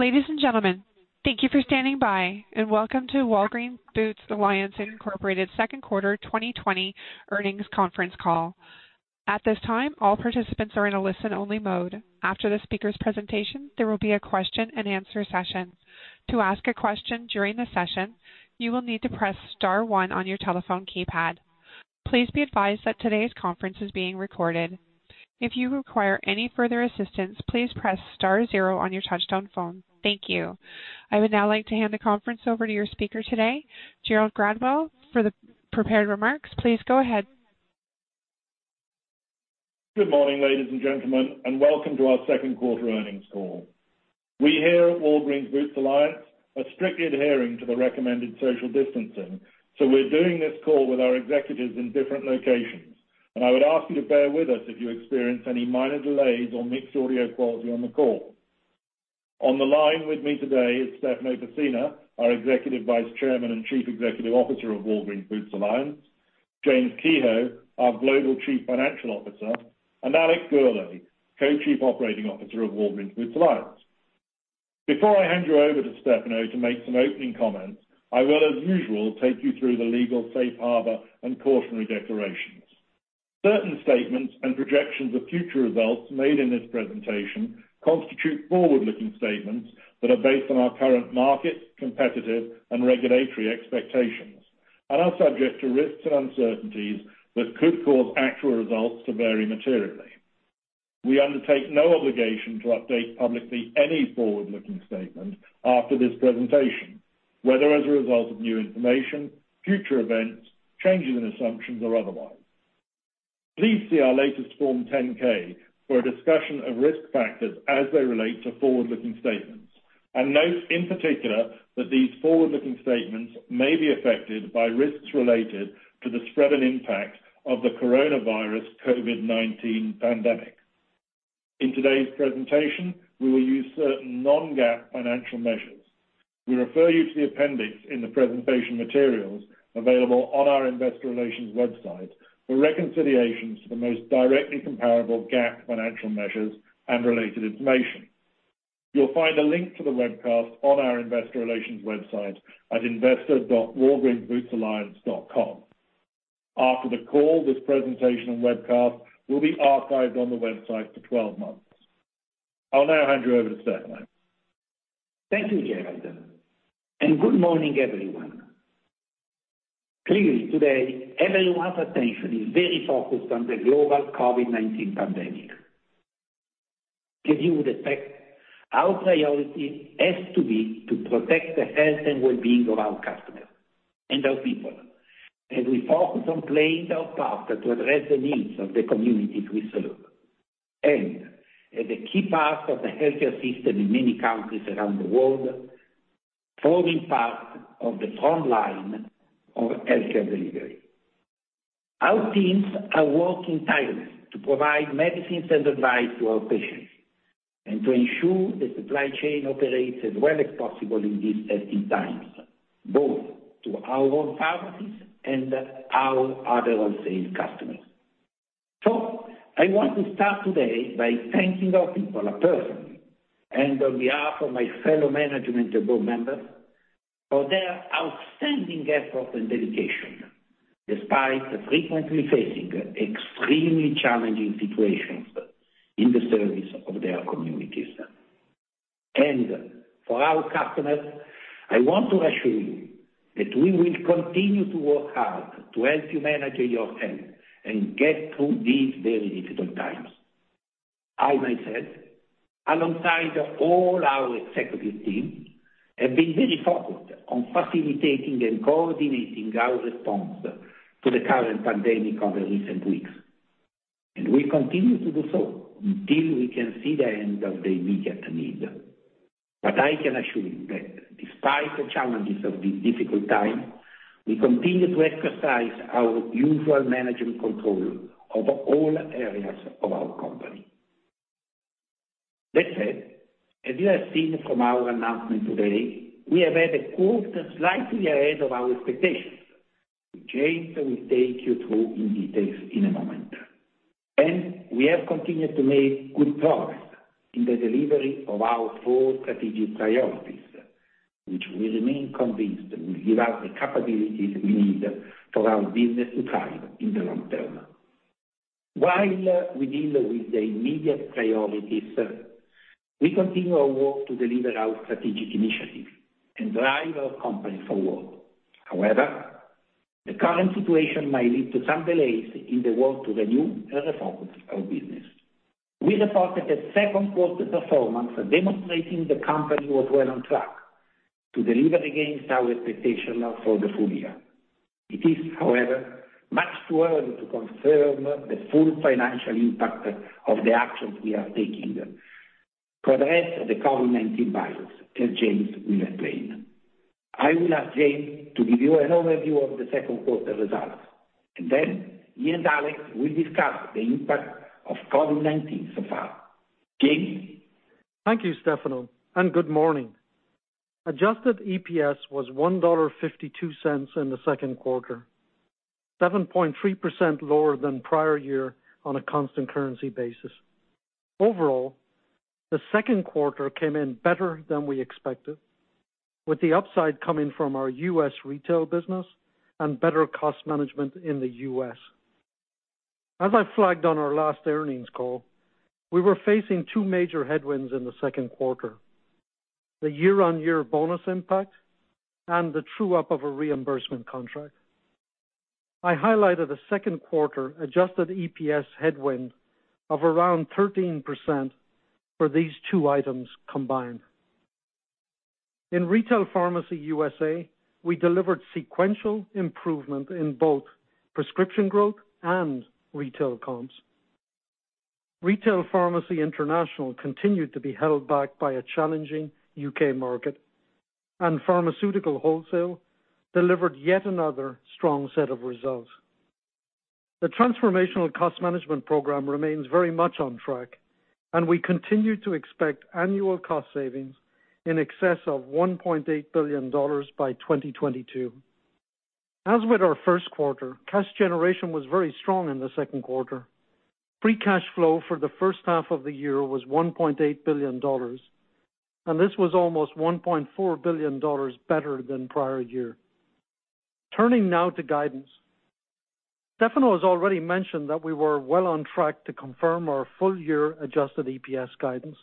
Ladies and gentlemen, thank you for standing by, and welcome to Walgreens Boots Alliance, Inc. second quarter 2020 earnings conference call. At this time, all participants are in a listen-only mode. After the speaker's presentation, there will be a question-and-answer session. To ask a question during the session, you will need to press star one on your telephone keypad. Please be advised that today's conference is being recorded. If you require any further assistance, please press star zero on your touch-tone phone. Thank you. I would now like to hand the conference over to your speaker today, Gerald Gradwell. For the prepared remarks, please go ahead. Good morning, ladies and gentlemen, welcome to our second quarter earnings call. We here at Walgreens Boots Alliance are strictly adhering to the recommended social distancing, so we're doing this call with our executives in different locations, and I would ask you to bear with us if you experience any minor delays or mixed audio quality on the call. On the line with me today is Stefano Pessina, our Executive Vice Chairman and Chief Executive Officer of Walgreens Boots Alliance, James Kehoe, our Global Chief Financial Officer, and Alex Gourlay, Co-Chief Operating Officer of Walgreens Boots Alliance. Before I hand you over to Stefano to make some opening comments, I will, as usual, take you through the legal safe harbor and cautionary declarations. Certain statements and projections of future results made in this presentation constitute forward-looking statements that are based on our current market, competitive, and regulatory expectations and are subject to risks and uncertainties that could cause actual results to vary materially. We undertake no obligation to update publicly any forward-looking statement after this presentation, whether as a result of new information, future events, changes in assumptions, or otherwise. Please see our latest Form 10-K for a discussion of risk factors as they relate to forward-looking statements, and note in particular that these forward-looking statements may be affected by risks related to the spread and impact of the coronavirus COVID-19 pandemic. In today's presentation, we will use certain non-GAAP financial measures. We refer you to the appendix in the presentation materials available on our Investor Relations website for reconciliations to the most directly comparable GAAP financial measures and related information. You'll find a link to the webcast on our Investor Relations website at investor.walgreensbootsalliance.com. After the call, this presentation and webcast will be archived on the website for 12 months. I'll now hand you over to Stefano. Thank you, Gerald, and good morning, everyone. Clearly, today, everyone's attention is very focused on the global COVID-19 pandemic. As you would expect, our priority has to be to protect the health and well-being of our customers and our people. As we focus on playing our part to address the needs of the communities we serve and, as a key part of the healthcare system in many countries around the world, forming part of the frontline of healthcare delivery. Our teams are working tirelessly to provide medicines and advice to our patients and to ensure the supply chain operates as well as possible in these testing times, both to our own pharmacies and our other wholesale customers. I want to start today by thanking our people personally and on behalf of my fellow management and board members for their outstanding effort and dedication, despite frequently facing extremely challenging situations in the service of their communities. For our customers, I want to assure you that we will continue to work hard to help you manage your health and get through these very difficult times. I myself, alongside all our executive team, have been very focused on facilitating and coordinating our response to the current pandemic over recent weeks, and we continue to do so until we can see the end of the immediate need. I can assure you that despite the challenges of these difficult times, we continue to exercise our usual management control over all areas of our company. That said, as you have seen from our announcement today, we have had a quarter slightly ahead of our expectations, which James will take you through in detail in a moment. We have continued to make good progress in the delivery of our four strategic priorities, which we remain convinced will give us the capabilities we need for our business to thrive in the long term. While we deal with the immediate priorities, we continue our work to deliver our strategic initiatives and drive our company forward. However, the current situation may lead to some delays in the work to renew and reform our business. We reported a second quarter performance demonstrating the company was well on track to deliver against our expectation for the full year. It is, however, much too early to confirm the full financial impact of the actions we are taking to address the COVID-19 virus, as James will explain. I will ask James to give you an overview of the second quarter results, and then he and Alex will discuss the impact of COVID-19 so far. James? Thank you, Stefano. Good morning. Adjusted EPS was $1.52 in the second quarter, 7.3% lower than prior year on a constant currency basis. Overall, the second quarter came in better than we expected, with the upside coming from our U.S. retail business and better cost management in the U.S. As I flagged on our last earnings call, we were facing two major headwinds in the second quarter, the year-on-year bonus impact and the true-up of a reimbursement contract. I highlighted the second quarter adjusted EPS headwind of around 13% for these two items combined. In Retail Pharmacy USA, we delivered sequential improvement in both prescription growth and retail comps. Retail Pharmacy International continued to be held back by a challenging U.K. market. Pharmaceutical Wholesale delivered yet another strong set of results. The Transformational Cost Management Program remains very much on track. We continue to expect annual cost savings in excess of $1.8 billion by 2022. As with our first quarter, cash generation was very strong in the second quarter. Free cash flow for the first half of the year was $1.8 billion. This was almost $1.4 billion better than prior year. Turning now to guidance. Stefano has already mentioned that we were well on track to confirm our full-year adjusted EPS guidance.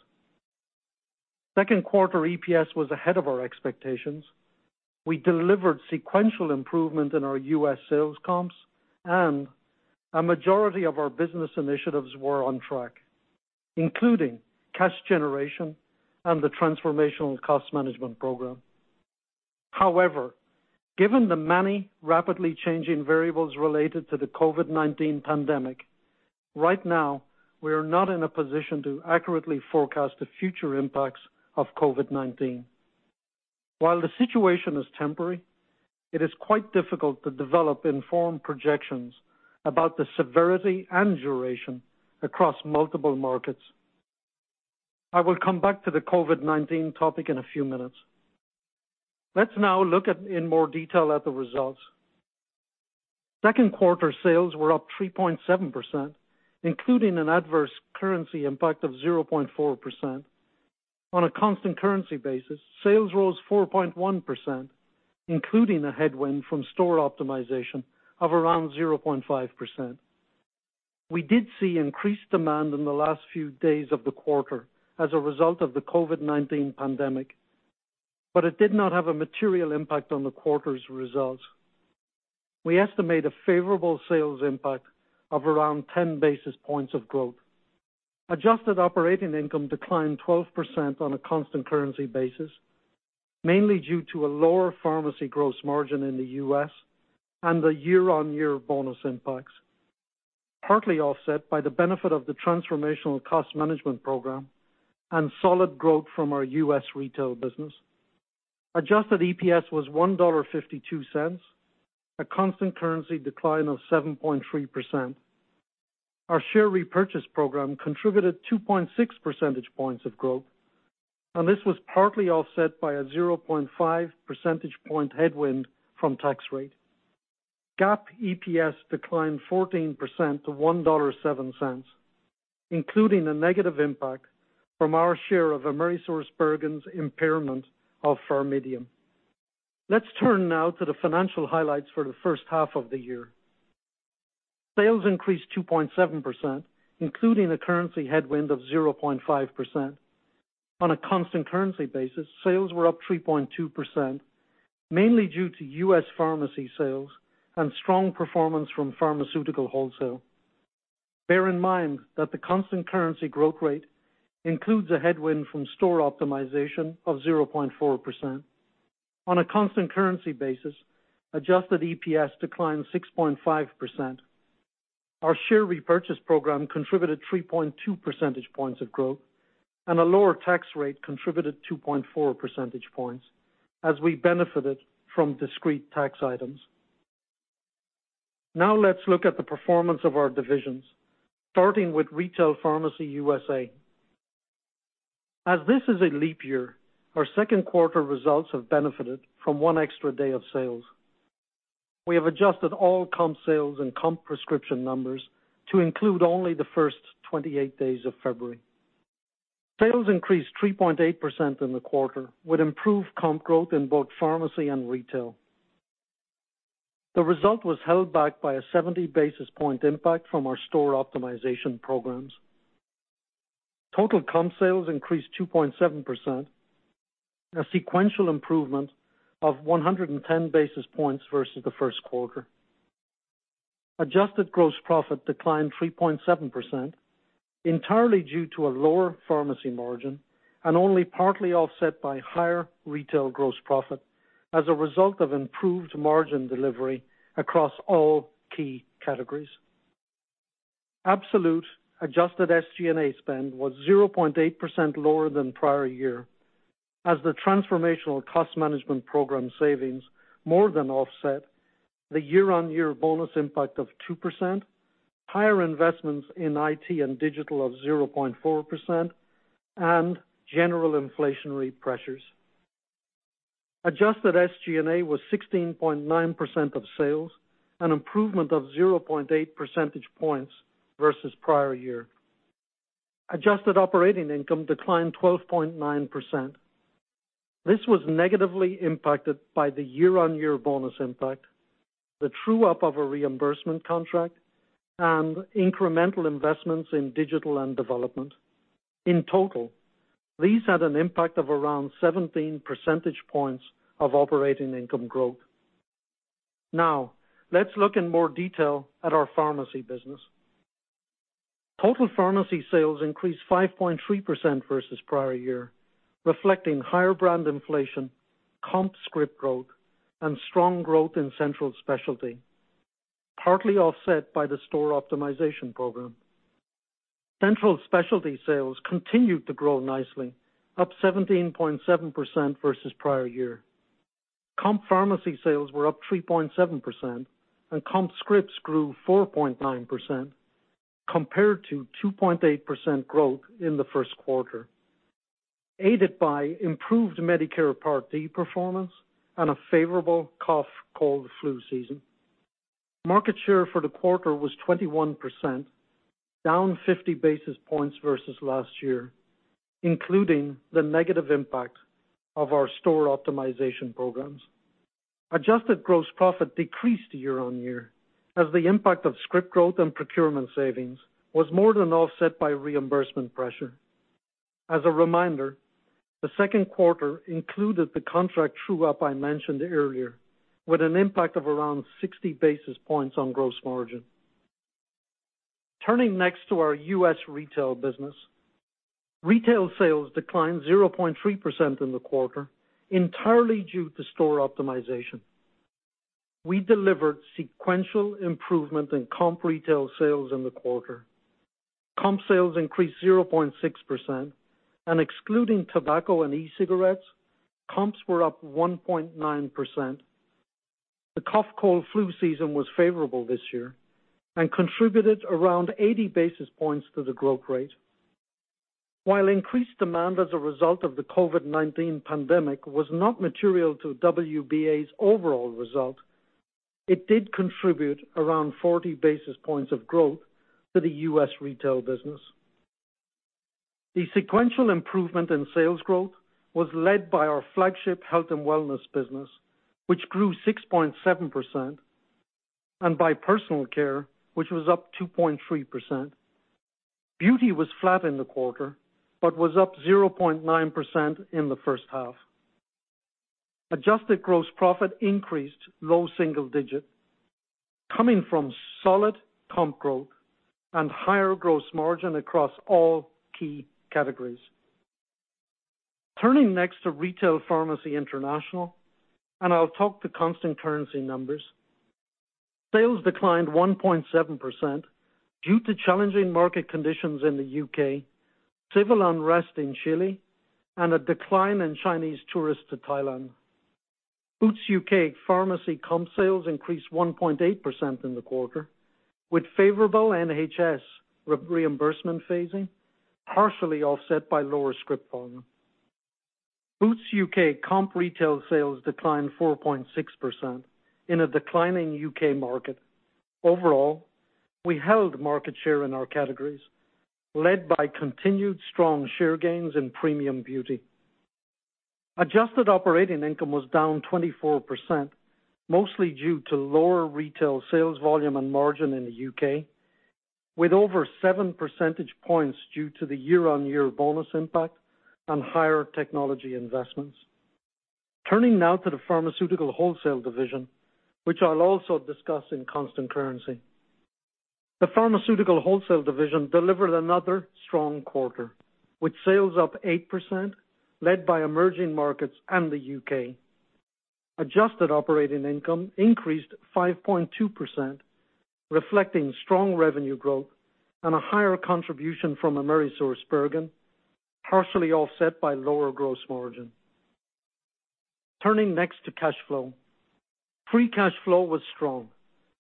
Second quarter EPS was ahead of our expectations. We delivered sequential improvement in our U.S. sales comps. A majority of our business initiatives were on track, including cash generation and the Transformational Cost Management Program. However, given the many rapidly changing variables related to the COVID-19 pandemic, right now, we are not in a position to accurately forecast the future impacts of COVID-19. While the situation is temporary, it is quite difficult to develop informed projections about the severity and duration across multiple markets. I will come back to the COVID-19 topic in a few minutes. Let's now look at in more detail at the results. Second quarter sales were up 3.7%, including an adverse currency impact of 0.4%. On a constant currency basis, sales rose 4.1%, including a headwind from store optimization of around 0.5%. We did see increased demand in the last few days of the quarter as a result of the COVID-19 pandemic, but it did not have a material impact on the quarter's results. We estimate a favorable sales impact of around 10 basis points of growth. Adjusted operating income declined 12% on a constant currency basis, mainly due to a lower pharmacy gross margin in the U.S. and the year-on-year bonus impacts, partly offset by the benefit of the Transformational Cost Management Program and solid growth from our U.S. retail business. Adjusted EPS was $1.52, a constant currency decline of 7.3%. Our share repurchase program contributed 2.6 percentage points of growth, this was partly offset by a 0.5 percentage point headwind from tax rate. GAAP EPS declined 14% to $1.07, including a negative impact from our share of AmerisourceBergen's impairment of PharMEDium. Let's turn now to the financial highlights for the first half of the year. Sales increased 2.7%, including a currency headwind of 0.5%. On a constant currency basis, sales were up 3.2%, mainly due to U.S. pharmacy sales and strong performance from Pharmaceutical Wholesale. Bear in mind that the constant currency growth rate includes a headwind from store optimization of 0.4%. On a constant currency basis, adjusted EPS declined 6.5%. Our share repurchase program contributed 3.2 percentage points of growth, and a lower tax rate contributed 2.4 percentage points as we benefited from discrete tax items. Let's look at the performance of our divisions, starting with Retail Pharmacy USA. As this is a leap year, our second quarter results have benefited from one extra day of sales. We have adjusted all comp sales and comp prescription numbers to include only the first 28 days of February. Sales increased 3.8% in the quarter, with improved comp growth in both pharmacy and retail. The result was held back by a 70-basis-point impact from our store optimization programs. Total comp sales increased 2.7%, a sequential improvement of 110 basis points versus the first quarter. Adjusted gross profit declined 3.7%, entirely due to a lower pharmacy margin, and only partly offset by higher retail gross profit as a result of improved margin delivery across all key categories. Absolute adjusted SG&A spend was 0.8% lower than prior year, as the Transformational Cost Management Program savings more than offset the year-on-year bonus impact of 2%, higher investments in IT and digital of 0.4%, and general inflationary pressures. Adjusted SG&A was 16.9% of sales, an improvement of 0.8 percentage points versus prior year. Adjusted operating income declined 12.9%. This was negatively impacted by the year-on-year bonus impact, the true-up of a reimbursement contract, and incremental investments in digital and development. In total, these had an impact of around 17 percentage points of operating income growth. Now, let's look in more detail at our pharmacy business. Total pharmacy sales increased 5.3% versus prior year, reflecting higher brand inflation, comp script growth, and strong growth in central specialty, partly offset by the store optimization program. Central specialty sales continued to grow nicely, up 17.7% versus prior year. Comp pharmacy sales were up 3.7% and comp scripts grew 4.9%, compared to 2.8% growth in the first quarter, aided by improved Medicare Part D performance and a favorable cough, cold, flu season. Market share for the quarter was 21%, down 50 basis points versus last year, including the negative impact of our store optimization programs. Adjusted gross profit decreased year-on-year as the impact of script growth and procurement savings was more than offset by reimbursement pressure. As a reminder, the second quarter included the contract true-up I mentioned earlier, with an impact of around 60 basis points on gross margin. Turning next to our U.S. retail business. Retail sales declined 0.3% in the quarter, entirely due to store optimization. We delivered sequential improvement in comp retail sales in the quarter. Comp sales increased 0.6%, and excluding tobacco and e-cigarettes, comps were up 1.9%. The cough-cold-flu season was favorable this year and contributed around 80 basis points to the growth rate. While increased demand as a result of the COVID-19 pandemic was not material to WBA's overall result, it did contribute around 40 basis points of growth to the U.S. retail business. The sequential improvement in sales growth was led by our flagship health and wellness business, which grew 6.7%, and by personal care, which was up 2.3%. Beauty was flat in the quarter, but was up 0.9% in the first half. Adjusted gross profit increased low single digit, coming from solid comp growth and higher gross margin across all key categories. Turning next to Retail Pharmacy International, and I'll talk to constant currency numbers. Sales declined 1.7% due to challenging market conditions in the U.K., civil unrest in Chile, and a decline in Chinese tourists to Thailand. Boots UK pharmacy comp sales increased 1.8% in the quarter, with favorable NHS reimbursement phasing, partially offset by lower script volume. Boots UK comp retail sales declined 4.6% in a declining U.K. market. Overall, we held market share in our categories, led by continued strong share gains in premium beauty. Adjusted operating income was down 24%, mostly due to lower retail sales volume and margin in the U.K., with over 7 percentage points due to the year-on-year bonus impact on higher technology investments. Turning now to the Pharmaceutical Wholesale division, which I'll also discuss in constant currency. The Pharmaceutical Wholesale division delivered another strong quarter, with sales up 8%, led by emerging markets and the U.K. Adjusted operating income increased 5.2%, reflecting strong revenue growth and a higher contribution from AmerisourceBergen, partially offset by lower gross margin. Turning next to cash flow. Free cash flow was strong,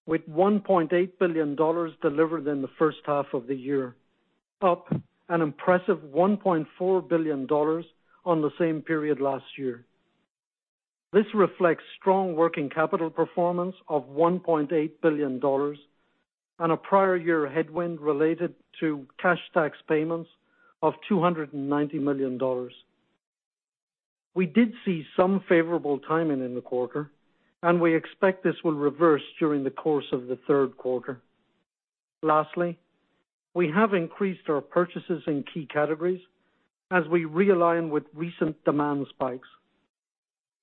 with $1.8 billion delivered in the first half of the year, up an impressive $1.4 billion on the same period last year. This reflects strong working capital performance of $1.8 billion on a prior year headwind related to cash tax payments of $290 million. We did see some favorable timing in the quarter. We expect this will reverse during the course of the third quarter. Lastly, we have increased our purchases in key categories as we realign with recent demand spikes.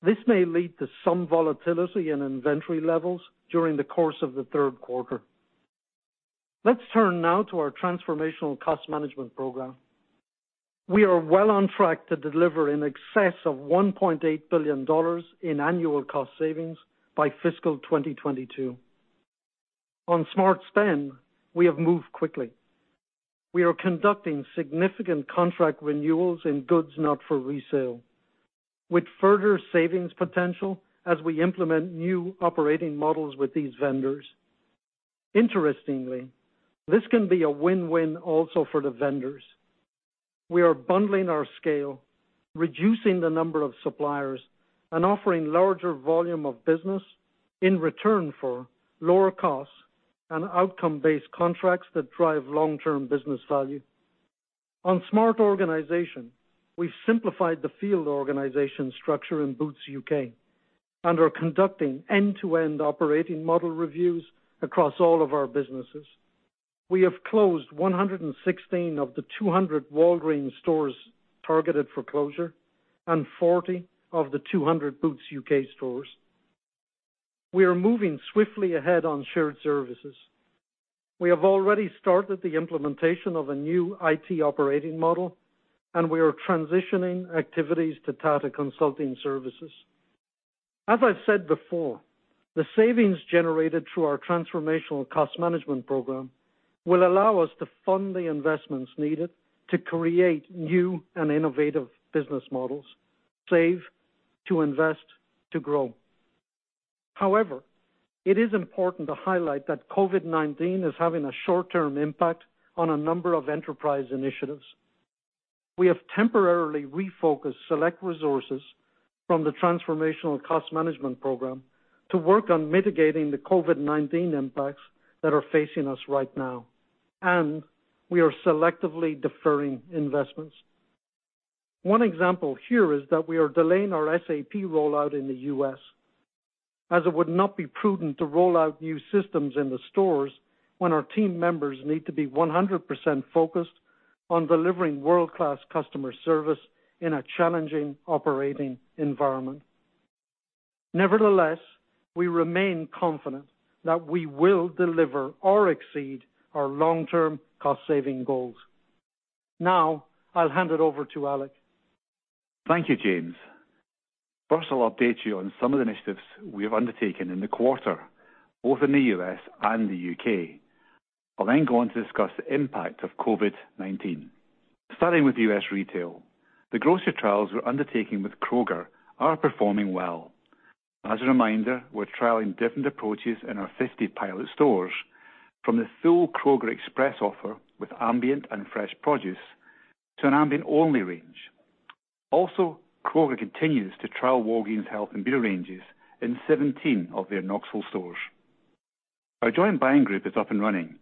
This may lead to some volatility in inventory levels during the course of the third quarter. Let's turn now to our Transformational Cost Management Program. We are well on track to deliver in excess of $1.8 billion in annual cost savings by fiscal 2022. On smart spend, we have moved quickly. We are conducting significant contract renewals in goods not for resale, with further savings potential as we implement new operating models with these vendors. Interestingly, this can be a win-win also for the vendors. We are bundling our scale, reducing the number of suppliers, and offering larger volume of business in return for lower costs and outcome-based contracts that drive long-term business value. On smart organization, we've simplified the field organization structure in Boots UK and are conducting end-to-end operating model reviews across all of our businesses. We have closed 116 of the 200 Walgreens stores targeted for closure and 40 of the 200 Boots UK stores. We are moving swiftly ahead on shared services. We have already started the implementation of a new IT operating model, and we are transitioning activities to Tata Consultancy Services. As I've said before, the savings generated through our Transformational Cost Management Program will allow us to fund the investments needed to create new and innovative business models, save, to invest, to grow. However, it is important to highlight that COVID-19 is having a short-term impact on a number of enterprise initiatives. We have temporarily refocused select resources from the Transformational Cost Management Program to work on mitigating the COVID-19 impacts that are facing us right now, and we are selectively deferring investments. One example here is that we are delaying our SAP rollout in the U.S. as it would not be prudent to roll out new systems in the stores when our team members need to be 100% focused on delivering world-class customer service in a challenging operating environment. Nevertheless, we remain confident that we will deliver or exceed our long-term cost-saving goals. Now, I'll hand it over to Alex. Thank you, James. First, I'll update you on some of the initiatives we have undertaken in the quarter, both in the U.S. and the U.K. I'll then go on to discuss the impact of COVID-19. Starting with U.S. retail, the grocery trials we're undertaking with Kroger are performing well. As a reminder, we're trialing different approaches in our 50 pilot stores from the full Kroger Express offer with ambient and fresh produce to an ambient-only range. Kroger continues to trial Walgreens health and beauty ranges in 17 of their Knoxville stores. Our joint buying group is up and running,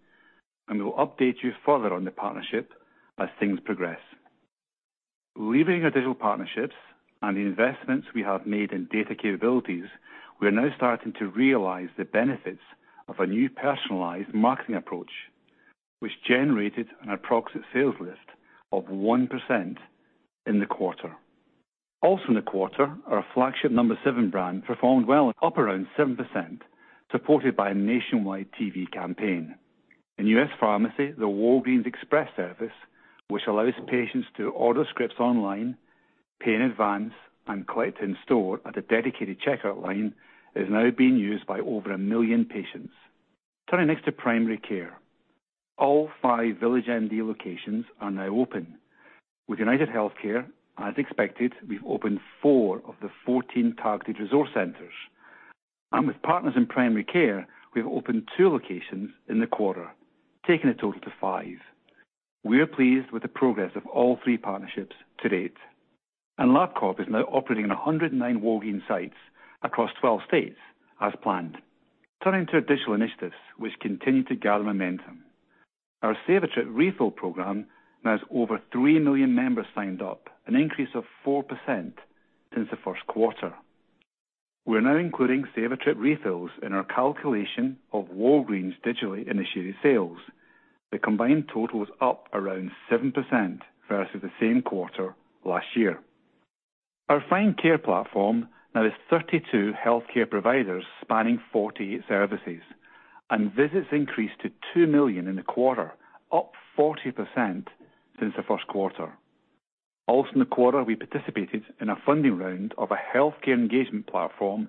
and we'll update you further on the partnership as things progress. Leveraging our digital partnerships and the investments we have made in data capabilities, we are now starting to realize the benefits of a new personalized marketing approach, which generated an approximate sales list of 1% in the quarter. Also in the quarter, our flagship No7 brand performed well, up around 7%, supported by a nationwide TV campaign. In U.S. pharmacy, the Walgreens Express service, which allows patients to order scripts online, pay in advance, and collect in store at a dedicated checkout line, is now being used by over 1 million patients. Turning next to primary care. All five VillageMD locations are now open. With UnitedHealthcare, as expected, we've opened four of the 14 targeted resource centers. With Partners in Primary Care, we've opened two locations in the quarter, taking the total to five. We are pleased with the progress of all three partnerships to date. LabCorp is now operating in 109 Walgreens sites across 12 states as planned. Turning to additional initiatives, which continue to gather momentum. Our Save a Trip Refills program now has over 3 million members signed up, an increase of 4% since the first quarter. We're now including Save a Trip Refills in our calculation of Walgreens digitally initiated sales. The combined total is up around 7% versus the same quarter last year. Our Find Care platform now has 32 healthcare providers spanning 48 services, and visits increased to 2 million in the quarter, up 40% since the first quarter. Also in the quarter, we participated in a funding round of a healthcare engagement platform,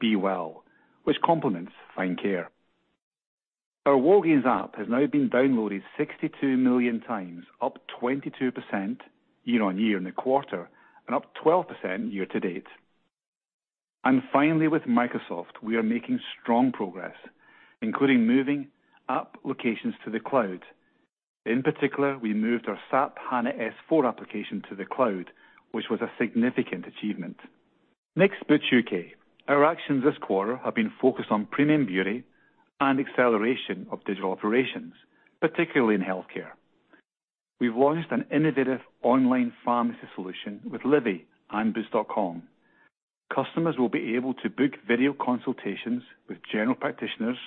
b.well, which complements Find Care. Our Walgreens app has now been downloaded 62 million times, up 22% year-on-year in the quarter and up 12% year-to-date. Finally, with Microsoft, we are making strong progress, including moving app locations to the cloud. In particular, we moved our SAP S/4HANA application to the cloud, which was a significant achievement. Next, Boots UK. Our actions this quarter have been focused on premium beauty and acceleration of digital operations, particularly in healthcare. We've launched an innovative online pharmacy solution with Livi and boots.com. Customers will be able to book video consultations with general practitioners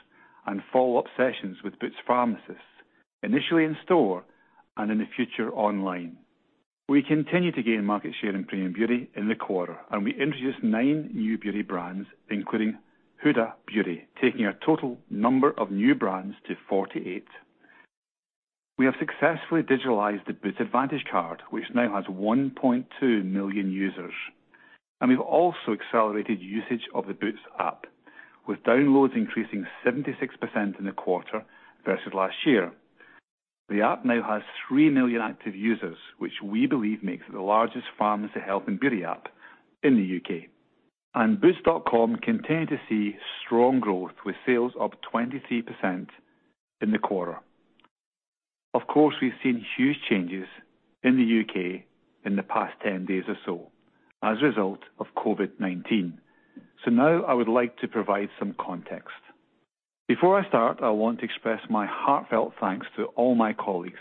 and follow-up sessions with Boots pharmacists, initially in store and in the future online. We continue to gain market share in premium beauty in the quarter, and we introduced nine new beauty brands, including Huda Beauty, taking our total number of new brands to 48. We have successfully digitalized the Boots Advantage Card, which now has 1.2 million users. We've also accelerated usage of the Boots app, with downloads increasing 76% in the quarter versus last year. The app now has 3 million active users, which we believe makes it the largest pharmacy health and beauty app in the U.K. boots.com continued to see strong growth with sales up 23% in the quarter. Of course, we've seen huge changes in the U.K. in the past 10 days or so as a result of COVID-19. Now I would like to provide some context. Before I start, I want to express my heartfelt thanks to all my colleagues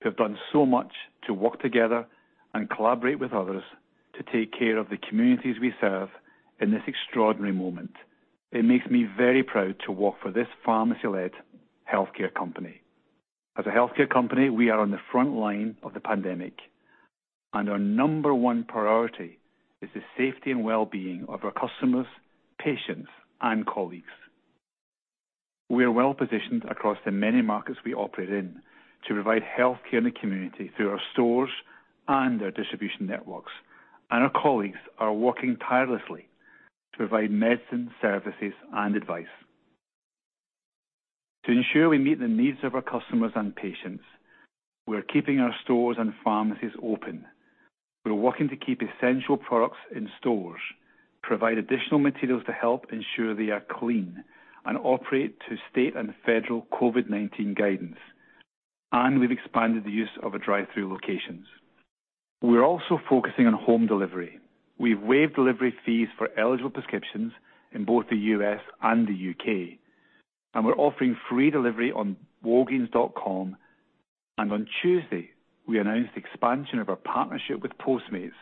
who have done so much to work together and collaborate with others to take care of the communities we serve in this extraordinary moment. It makes me very proud to work for this pharmacy-led healthcare company. As a healthcare company, we are on the front line of the pandemic, and our number one priority is the safety and wellbeing of our customers, patients, and colleagues. We are well-positioned across the many markets we operate in to provide healthcare in the community through our stores and our distribution networks, and our colleagues are working tirelessly to provide medicine, services, and advice. To ensure we meet the needs of our customers and patients, we are keeping our stores and pharmacies open. We're working to keep essential products in stores, provide additional materials to help ensure they are clean, and operate to state and federal COVID-19 guidance. We've expanded the use of our drive-thru locations. We're also focusing on home delivery. We've waived delivery fees for eligible prescriptions in both the U.S. and the U.K., and we're offering free delivery on walgreens.com. On Tuesday, we announced the expansion of our partnership with Postmates,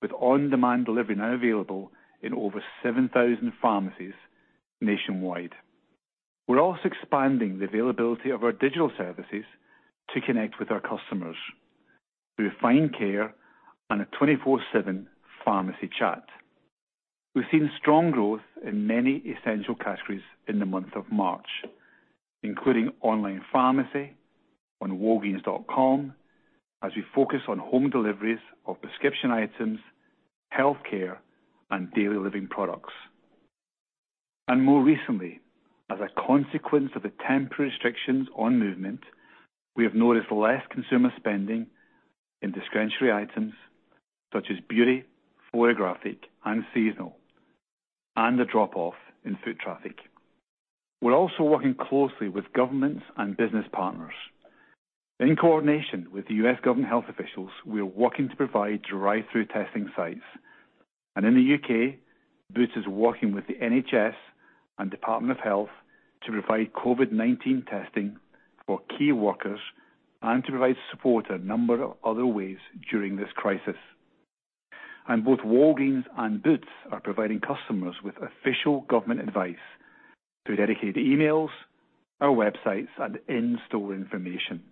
with on-demand delivery now available in over 7,000 pharmacies nationwide. We're also expanding the availability of our digital services to connect with our customers through Find Care and a 24/7 pharmacy chat. We've seen strong growth in many essential categories in the month of March, including online pharmacy on walgreens.com as we focus on home deliveries of prescription items, healthcare, and daily living products. More recently, as a consequence of the temporary restrictions on movement, we have noticed less consumer spending in discretionary items such as beauty, photographic, and seasonal, and a drop-off in foot traffic. We're also working closely with governments and business partners. In coordination with the U.S. government health officials, we are working to provide drive-thru testing sites. In the U.K., Boots is working with the NHS and Department of Health to provide COVID-19 testing for key workers and to provide support a number of other ways during this crisis. Both Walgreens and Boots are providing customers with official government advice through dedicated emails, our websites, and in-store information.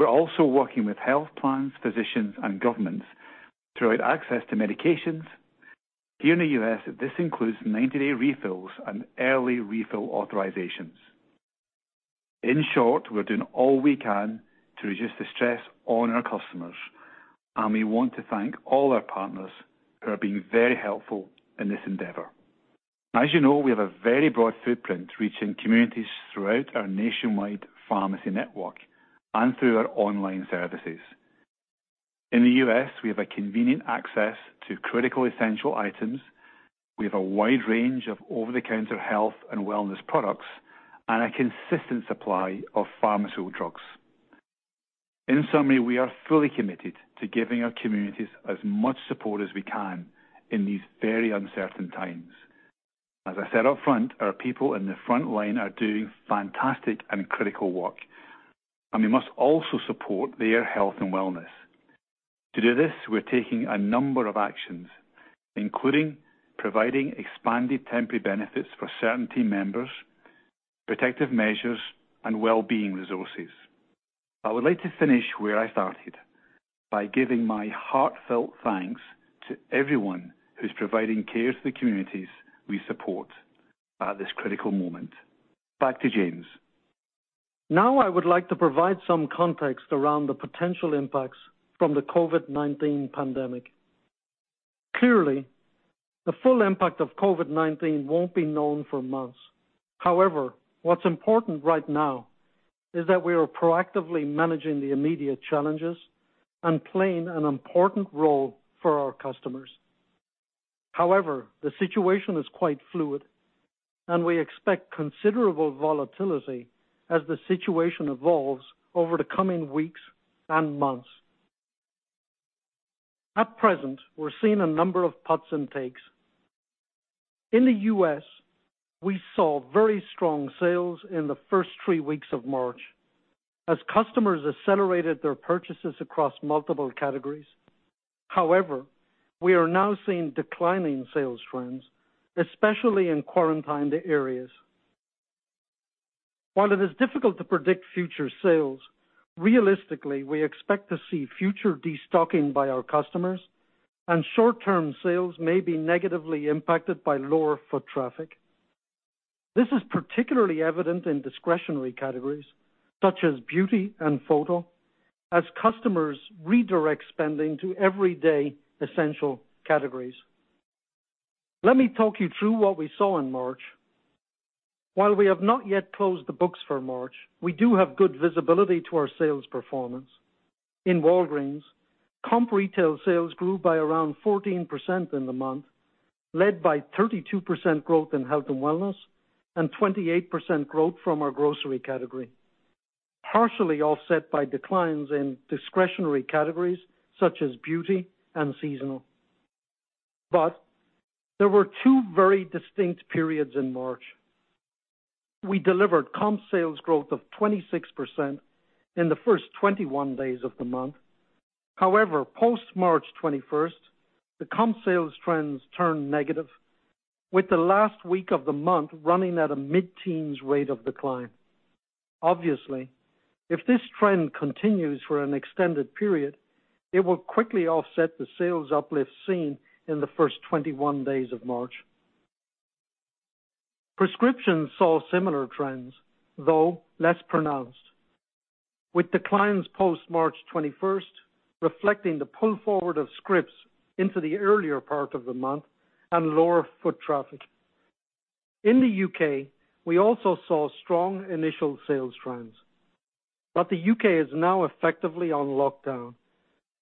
We're also working with health plans, physicians, and governments to provide access to medications. Here in the U.S., this includes 90-day refills and early refill authorizations. In short, we're doing all we can to reduce the stress on our customers, and we want to thank all our partners who are being very helpful in this endeavor. As you know, we have a very broad footprint, reaching communities throughout our nationwide pharmacy network and through our online services. In the U.S., we have a convenient access to critical essential items. We have a wide range of over-the-counter health and wellness products and a consistent supply of pharmaceutical drugs. In summary, we are fully committed to giving our communities as much support as we can in these very uncertain times. As I said up front, our people in the front line are doing fantastic and critical work, and we must also support their health and wellness. To do this, we're taking a number of actions, including providing expanded temporary benefits for certain team members, protective measures, and wellbeing resources. I would like to finish where I started, by giving my heartfelt thanks to everyone who's providing care to the communities we support at this critical moment. Back to James. I would like to provide some context around the potential impacts from the COVID-19 pandemic. The full impact of COVID-19 won't be known for months. What's important right now is that we are proactively managing the immediate challenges and playing an important role for our customers. The situation is quite fluid, and we expect considerable volatility as the situation evolves over the coming weeks and months. At present, we're seeing a number of puts and takes. In the U.S., we saw very strong sales in the first three weeks of March as customers accelerated their purchases across multiple categories. We are now seeing declining sales trends, especially in quarantined areas. While it is difficult to predict future sales, realistically, we expect to see future de-stocking by our customers, and short-term sales may be negatively impacted by lower foot traffic. This is particularly evident in discretionary categories such as beauty and photo as customers redirect spending to everyday essential categories. Let me talk you through what we saw in March. While we have not yet closed the books for March, we do have good visibility to our sales performance. In Walgreens, comp retail sales grew by around 14% in the month, led by 32% growth in health and wellness and 28% growth from our grocery category, partially offset by declines in discretionary categories such as beauty and seasonal. There were two very distinct periods in March. We delivered comp sales growth of 26% in the first 21 days of the month. However, post March 21st, the comp sales trends turned negative, with the last week of the month running at a mid-teens rate of decline. Obviously, if this trend continues for an extended period, it will quickly offset the sales uplift seen in the first 21 days of March. Prescriptions saw similar trends, though less pronounced, with declines post March 21st reflecting the pull forward of scripts into the earlier part of the month and lower foot traffic. In the U.K., we also saw strong initial sales trends, but the U.K. is now effectively on lockdown,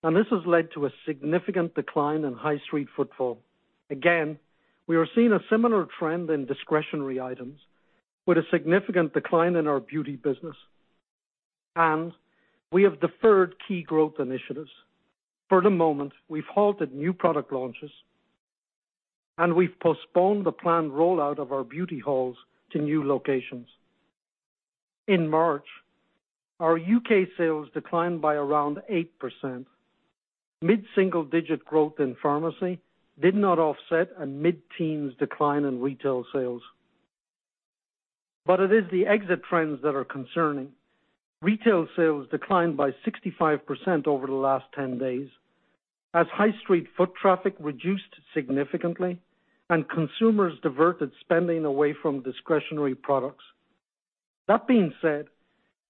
and this has led to a significant decline in high street footfall. Again, we are seeing a similar trend in discretionary items with a significant decline in our beauty business, and we have deferred key growth initiatives. For the moment, we've halted new product launches and we've postponed the planned rollout of our beauty halls to new locations. In March, our U.K. sales declined by around 8%. Mid-single-digit growth in pharmacy did not offset a mid-teens decline in retail sales. It is the exit trends that are concerning. Retail sales declined by 65% over the last 10 days as high street foot traffic reduced significantly and consumers diverted spending away from discretionary products. That being said,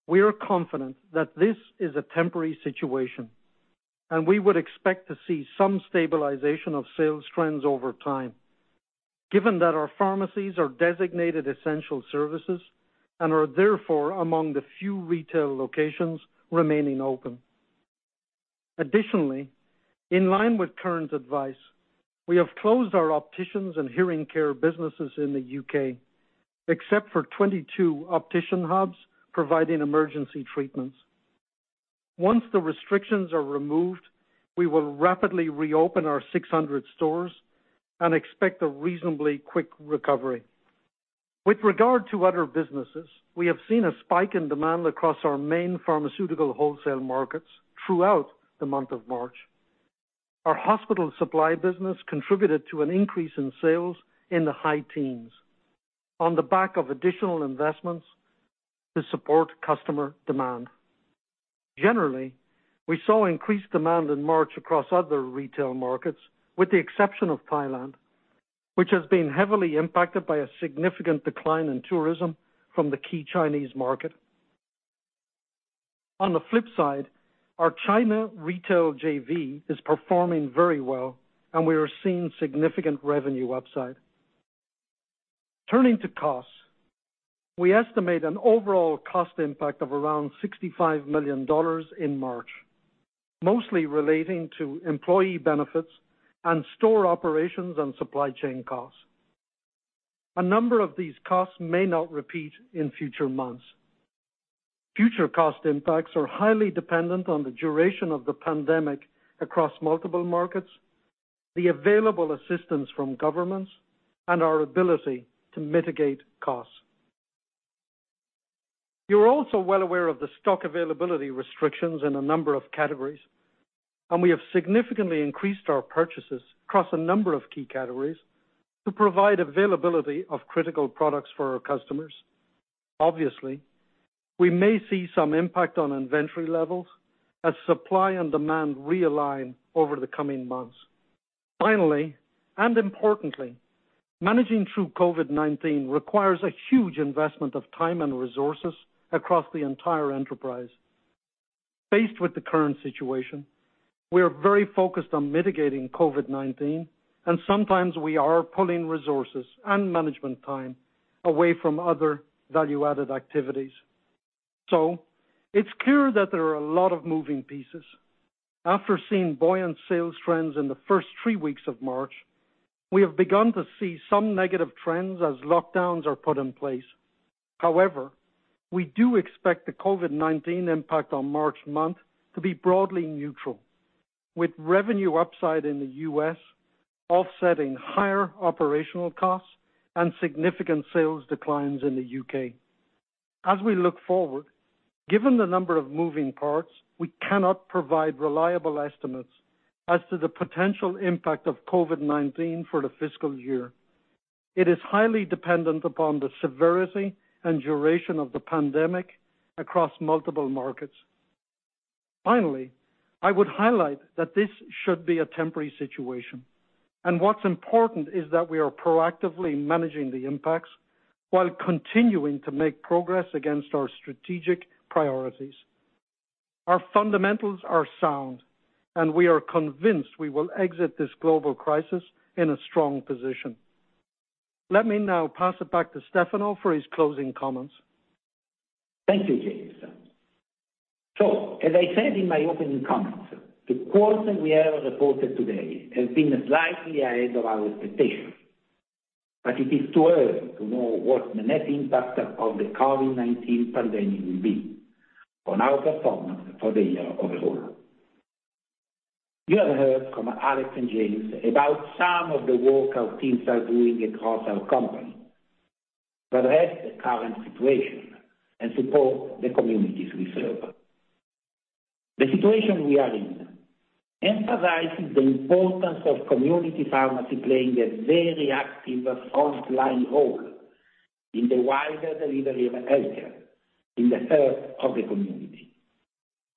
we are confident that this is a temporary situation, and we would expect to see some stabilization of sales trends over time, given that our pharmacies are designated essential services and are therefore among the few retail locations remaining open. Additionally, in line with current advice, we have closed our opticians and hearing care businesses in the U.K., except for 22 optician hubs providing emergency treatments. Once the restrictions are removed, we will rapidly reopen our 600 stores and expect a reasonably quick recovery. With regard to other businesses, we have seen a spike in demand across our main pharmaceutical wholesale markets throughout the month of March. Our hospital supply business contributed to an increase in sales in the high teens on the back of additional investments to support customer demand. We saw increased demand in March across other retail markets, with the exception of Thailand, which has been heavily impacted by a significant decline in tourism from the key Chinese market. On the flip side, our China retail JV is performing very well and we are seeing significant revenue upside. Turning to costs, we estimate an overall cost impact of around $65 million in March, mostly relating to employee benefits and store operations and supply chain costs. A number of these costs may not repeat in future months. Future cost impacts are highly dependent on the duration of the pandemic across multiple markets, the available assistance from governments, and our ability to mitigate costs. You're also well aware of the stock availability restrictions in a number of categories, and we have significantly increased our purchases across a number of key categories to provide availability of critical products for our customers. We may see some impact on inventory levels as supply and demand realign over the coming months. Managing through COVID-19 requires a huge investment of time and resources across the entire enterprise. Faced with the current situation, we are very focused on mitigating COVID-19 and sometimes we are pulling resources and management time away from other value-added activities. It's clear that there are a lot of moving pieces. After seeing buoyant sales trends in the first three weeks of March, we have begun to see some negative trends as lockdowns are put in place. We do expect the COVID-19 impact on March month to be broadly neutral, with revenue upside in the U.S. offsetting higher operational costs and significant sales declines in the U.K. As we look forward, given the number of moving parts, we cannot provide reliable estimates as to the potential impact of COVID-19 for the fiscal year. It is highly dependent upon the severity and duration of the pandemic across multiple markets. I would highlight that this should be a temporary situation, and what's important is that we are proactively managing the impacts while continuing to make progress against our strategic priorities. Our fundamentals are sound, and we are convinced we will exit this global crisis in a strong position. Let me now pass it back to Stefano for his closing comments. Thank you, James. As I said in my opening comments, the quarter we have reported today has been slightly ahead of our expectations. It is too early to know what the net impact of the COVID-19 pandemic will be on our performance for the year overall. You have heard from Alex and James about some of the work our teams are doing across our company to address the current situation and support the communities we serve. The situation we are in emphasizes the importance of community pharmacy playing a very active frontline role in the wider delivery of healthcare in the heart of the community.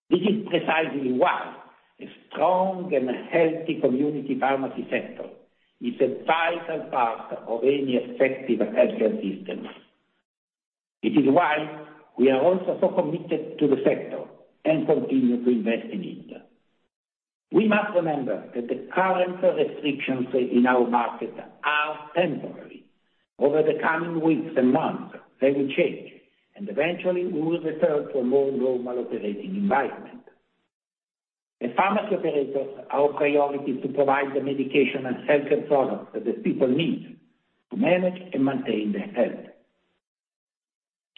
This is precisely why a strong and healthy community pharmacy sector is a vital part of any effective healthcare system. It is why we are also so committed to the sector and continue to invest in it. We must remember that the current restrictions in our market are temporary. Over the coming weeks and months, they will change, and eventually, we will return to a more normal operating environment. As pharmacy operators, our priority is to provide the medication and healthcare products that the people need to manage and maintain their health.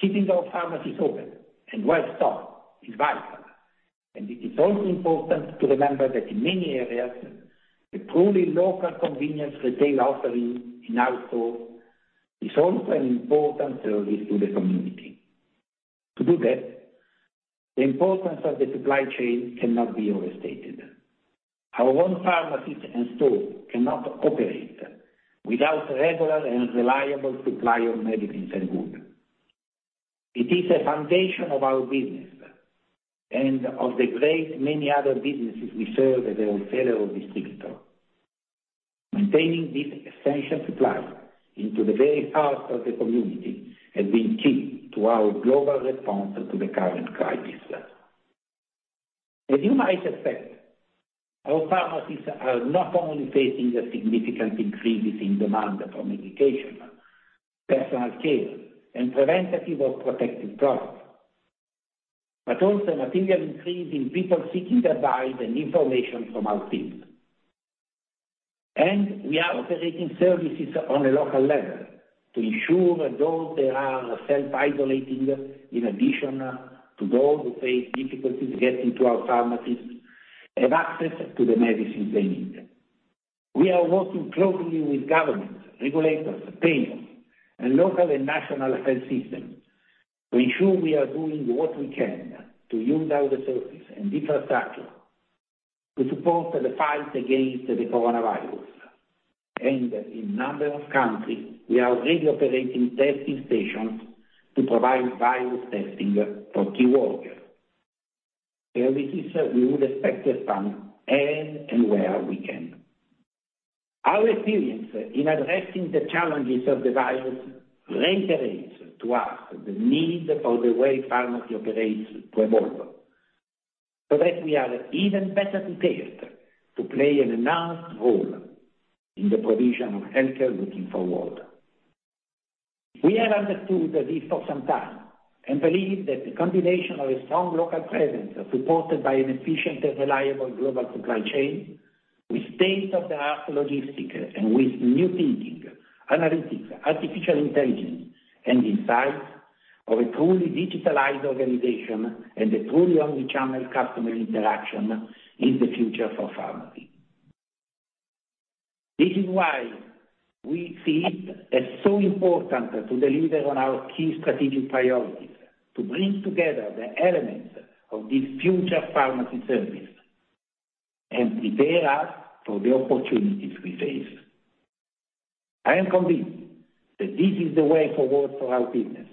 Keeping our pharmacies open and well-stocked is vital, and it is also important to remember that in many areas, a truly local convenience retail offering in our stores is also an important service to the community. To do that, the importance of the supply chain cannot be overstated. Our own pharmacies and stores cannot operate without regular and reliable supply of medicines and goods. It is a foundation of our business and of the great many other businesses we serve as a wholesaler or distributor. Maintaining this essential supply into the very heart of the community has been key to our global response to the current crisis. As you might expect, our pharmacies are not only facing a significant increase in demand for medication, personal care, and preventative or protective products, but also a material increase in people seeking advice and information from our teams. We are operating services on a local level to ensure that those that are self-isolating, in addition to those who face difficulties getting to our pharmacies, have access to the medicines they need. We are working closely with governments, regulators, payers, and local and national health systems to ensure we are doing what we can to use our resources and infrastructure to support the fight against the coronavirus. In a number of countries, we are already operating testing stations to provide virus testing for key workers, services we would expect to expand as and where we can. Our experience in addressing the challenges of the virus reiterates to us the need for the way pharmacy operates to evolve so that we are even better prepared to play an enhanced role in the provision of healthcare looking forward. We have understood this for some time and believe that the combination of a strong local presence, supported by an efficient and reliable global supply chain, with state-of-the-art logistics, and with new thinking, analytics, artificial intelligence, and insights of a truly digitalized organization and a truly omnichannel customer interaction, is the future for pharmacy. This is why we see it as so important to deliver on our key strategic priorities, to bring together the elements of this future pharmacy service and prepare us for the opportunities we face. I am convinced that this is the way forward for our business,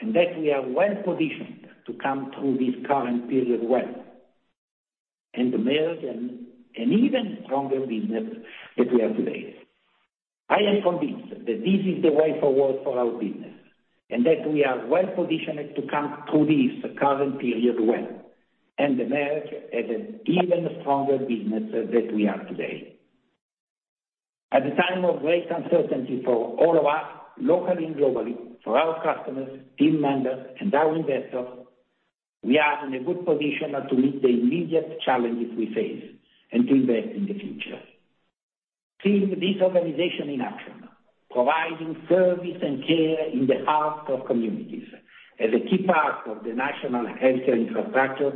and that we are well-positioned to come through this current period well, and emerge an even stronger business that we are today. I am convinced that this is the way forward for our business, and that we are well-positioned to come through this current period well, and emerge as an even stronger business that we are today. At a time of great uncertainty for all of us, locally and globally, for our customers, team members, and our investors, we are in a good position to meet the immediate challenges we face and to invest in the future. Seeing this organization in action, providing service and care in the heart of communities as a key part of the national healthcare infrastructure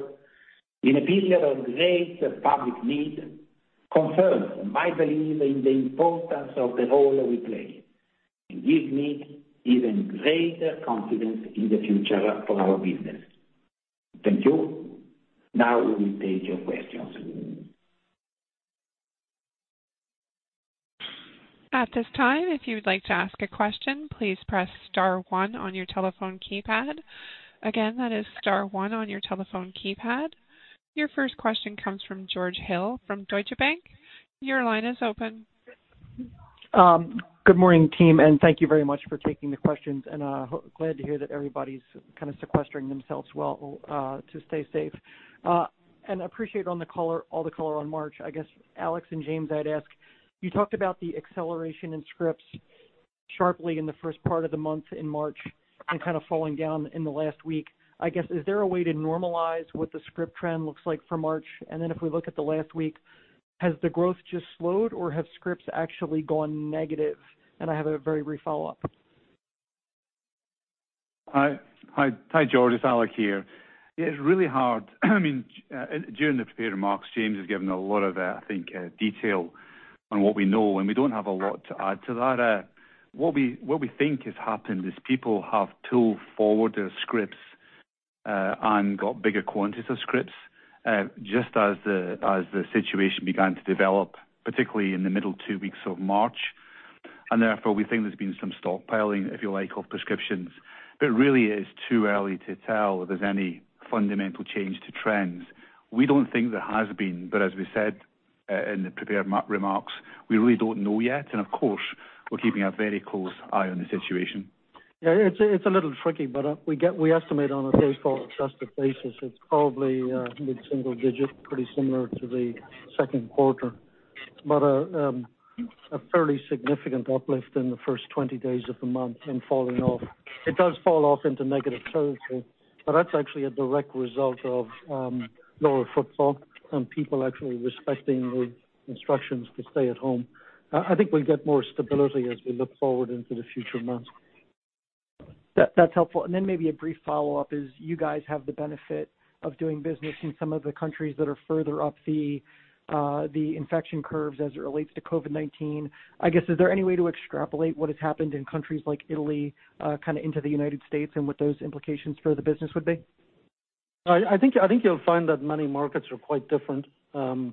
in a period of great public need, confirms my belief in the importance of the role we play and gives me even greater confidence in the future for our business. Thank you. Now we will take your questions. At this time, if you would like to ask a question, please press star one on your telephone keypad. Again, that is star one on your telephone keypad. Your first question comes from George Hill from Deutsche Bank. Your line is open. Good morning team, thank you very much for taking the questions, and glad to hear that everybody's kind of sequestering themselves well to stay safe. Appreciate all the color on March. I guess Alex and James, I'd ask, you talked about the acceleration in scripts sharply in the first part of the month in March and kind of falling down in the last week. I guess, is there a way to normalize what the script trend looks like for March? If we look at the last week, has the growth just slowed, or have scripts actually gone negative? I have a very brief follow-up. Hi, George. It's Alex here. It's really hard. During the prepared remarks, James has given a lot of, I think, detail on what we know, and we don't have a lot to add to that. What we think has happened is people have pulled forward their scripts, and got bigger quantities of scripts, just as the situation began to develop, particularly in the middle two weeks of March. Therefore, we think there's been some stockpiling, if you like, of prescriptions. It really is too early to tell if there's any fundamental change to trends. We don't think there has been, but as we said, in the prepared remarks, we really don't know yet. Of course, we're keeping a very close eye on the situation. Yeah, it's a little tricky. We estimate on a day four adjusted basis, it's probably mid-single digit, pretty similar to the second quarter. A fairly significant uplift in the first 20 days of the month and falling off. It does fall off into negative territory. That's actually a direct result of lower footfall and people actually respecting the instructions to stay at home. I think we'll get more stability as we look forward into the future months. That's helpful. Maybe a brief follow-up is, you guys have the benefit of doing business in some of the countries that are further up the infection curves as it relates to COVID-19. I guess, is there any way to extrapolate what has happened in countries like Italy, kind of into the U.S. and what those implications for the business would be? I think you'll find that many markets are quite different. I'm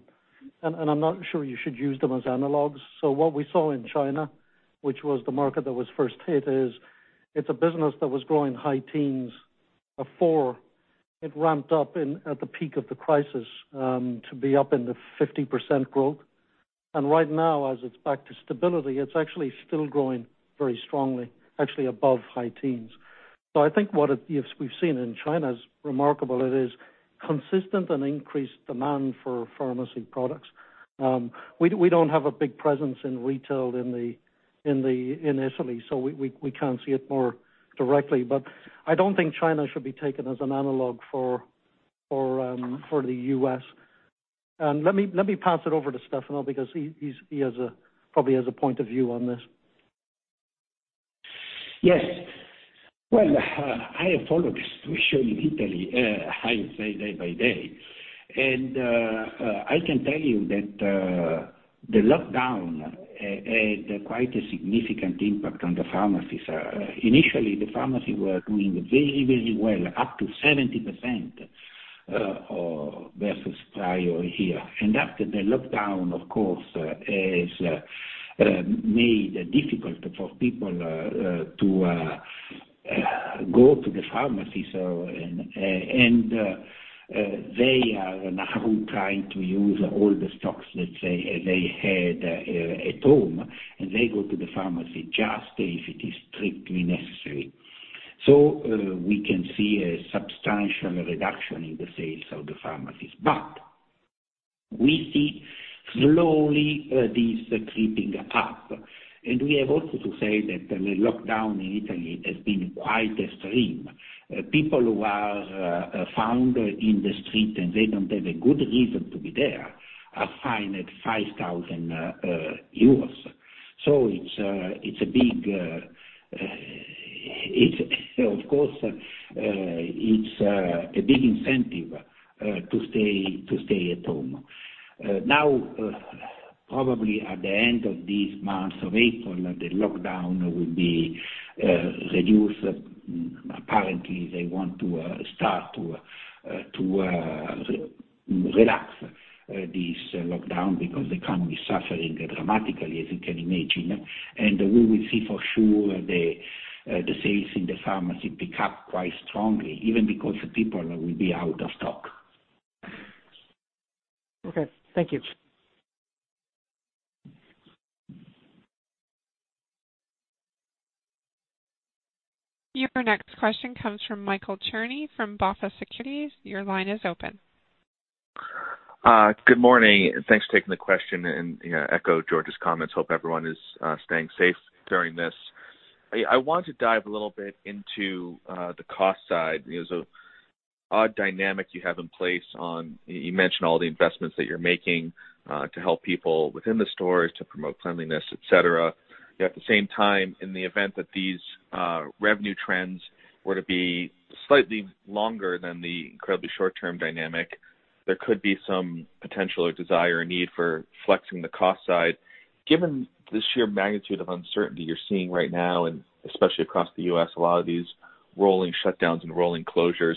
not sure you should use them as analogs. What we saw in China, which was the market that was first hit, is it's a business that was growing high teens before it ramped up at the peak of the crisis, to be up into 50% growth. Right now, as it's back to stability, it's actually still growing very strongly, actually above high teens. I think what we've seen in China is remarkable. It is consistent and increased demand for pharmacy products. We don't have a big presence in retail in Italy, so we can't see it more directly, but I don't think China should be taken as an analog for the U.S. Let me pass it over to Stefano because he probably has a point of view on this. Yes. Well, I have followed the situation in Italy day by day. I can tell you that the lockdown had quite a significant impact on the pharmacies. Initially, the pharmacies were doing very, very well, up to 70% versus prior year. After the lockdown, of course, has made it difficult for people to go to the pharmacy. They are now trying to use all the stocks, let's say, they had at home, and they go to the pharmacy just if it is strictly necessary. We can see a substantial reduction in the sales of the pharmacies. We see slowly this creeping up. We have also to say that the lockdown in Italy has been quite extreme. People who are found in the street and they don't have a good reason to be there are fined EUR 5,000. Of course, it's a big incentive to stay at home. Probably at the end of this month of April, the lockdown will be reduced. Apparently, they want to start to relax this lockdown because the economy is suffering dramatically, as you can imagine. We will see for sure the sales in the pharmacy pick up quite strongly, even because people will be out of stock. Okay. Thank you. Your next question comes from Michael Cherny from BofA Securities. Your line is open. Good morning. Thanks for taking the question, and echo George's comments. Hope everyone is staying safe during this. I want to dive a little bit into the cost side. There's an odd dynamic you have in place. You mentioned all the investments that you're making, to help people within the stores to promote cleanliness, et cetera. Yet at the same time, in the event that these revenue trends were to be slightly longer than the incredibly short-term dynamic, there could be some potential or desire or need for flexing the cost side. Given the sheer magnitude of uncertainty you're seeing right now, especially across the U.S., a lot of these rolling shutdowns and rolling closures,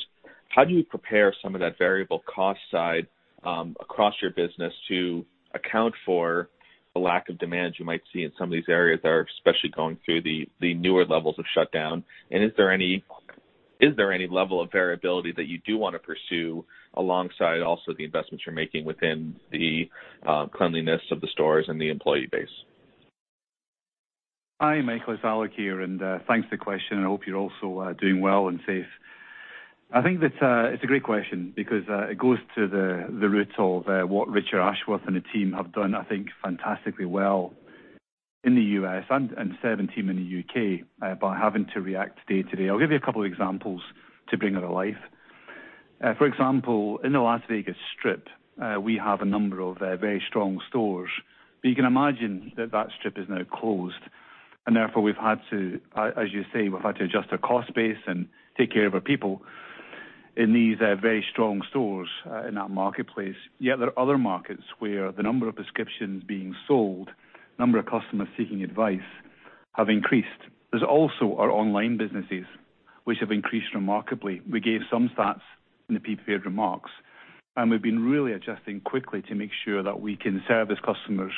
how do you prepare some of that variable cost side across your business to account for the lack of demand you might see in some of these areas that are especially going through the newer levels of shutdown? Is there any level of variability that you do want to pursue alongside also the investments you're making within the cleanliness of the stores and the employee base? Hi, Michael, it's Alex here, and thanks for the question. I hope you're also doing well and safe. I think that it's a great question because it goes to the root of what Richard Ashworth and the team have done, I think, fantastically well in the U.S. and Seb's team in the U.K., by having to react day-to-day. I'll give you a couple of examples to bring it to life. For example, in the Las Vegas Strip, we have a number of very strong stores, but you can imagine that strip is now closed, and therefore, as you say, we've had to adjust our cost base and take care of our people in these very strong stores in that marketplace. There are other markets where the number of prescriptions being sold, number of customers seeking advice, have increased. There's also our online businesses, which have increased remarkably. We gave some stats in the prepared remarks, and we've been really adjusting quickly to make sure that we can service customers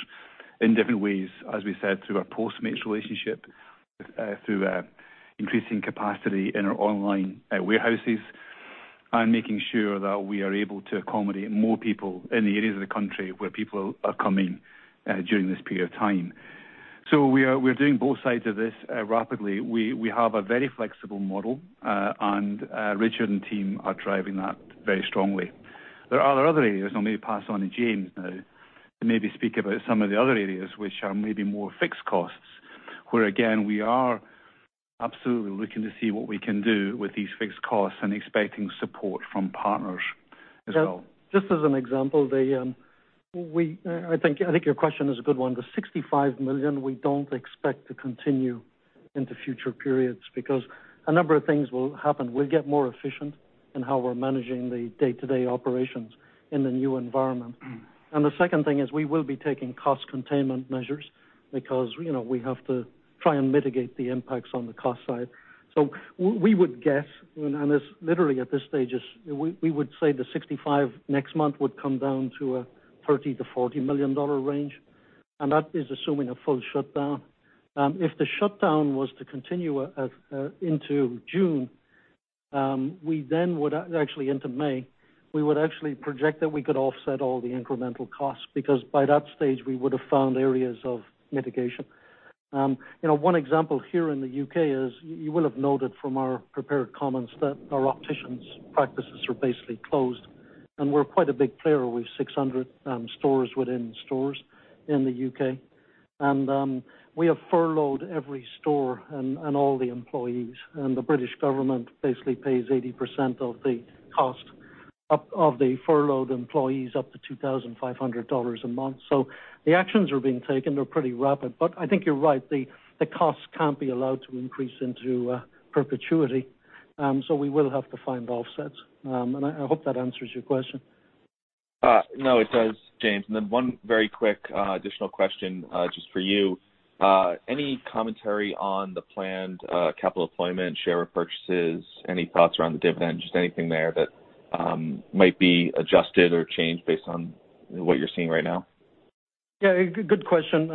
in different ways, as we said, through our Postmates relationship, through increasing capacity in our online warehouses, and making sure that we are able to accommodate more people in the areas of the country where people are coming during this period of time. We are doing both sides of this rapidly. We have a very flexible model, and Richard and team are driving that very strongly. There are other areas, and I'll maybe pass on to James now to maybe speak about some of the other areas which are maybe more fixed costs, where again, we are absolutely looking to see what we can do with these fixed costs and expecting support from partners as well. Just as an example, I think your question is a good one. The $65 million we don't expect to continue into future periods because a number of things will happen. We'll get more efficient in how we're managing the day-to-day operations in the new environment. The second thing is we will be taking cost containment measures because we have to try and mitigate the impacts on the cost side. We would guess, and this literally at this stage is, we would say the 65 next month would come down to a $30 million-$40 million range, and that is assuming a full shutdown. If the shutdown was to continue into June, actually into May, we would actually project that we could offset all the incremental costs, because by that stage, we would have found areas of mitigation. One example here in the U.K. is, you will have noted from our prepared comments that our optician's practices are basically closed, and we're quite a big player with 600 stores within stores in the U.K. We have furloughed every store and all the employees, and the British government basically pays 80% of the cost of the furloughed employees up to $2,500 a month. The actions are being taken. They're pretty rapid. I think you're right, the costs can't be allowed to increase into perpetuity, so we will have to find offsets. I hope that answers your question. No, it does, James. Then one very quick additional question, just for you. Any commentary on the planned capital deployment, share repurchases? Any thoughts around the dividend? Just anything there that might be adjusted or changed based on what you're seeing right now? Yeah, good question.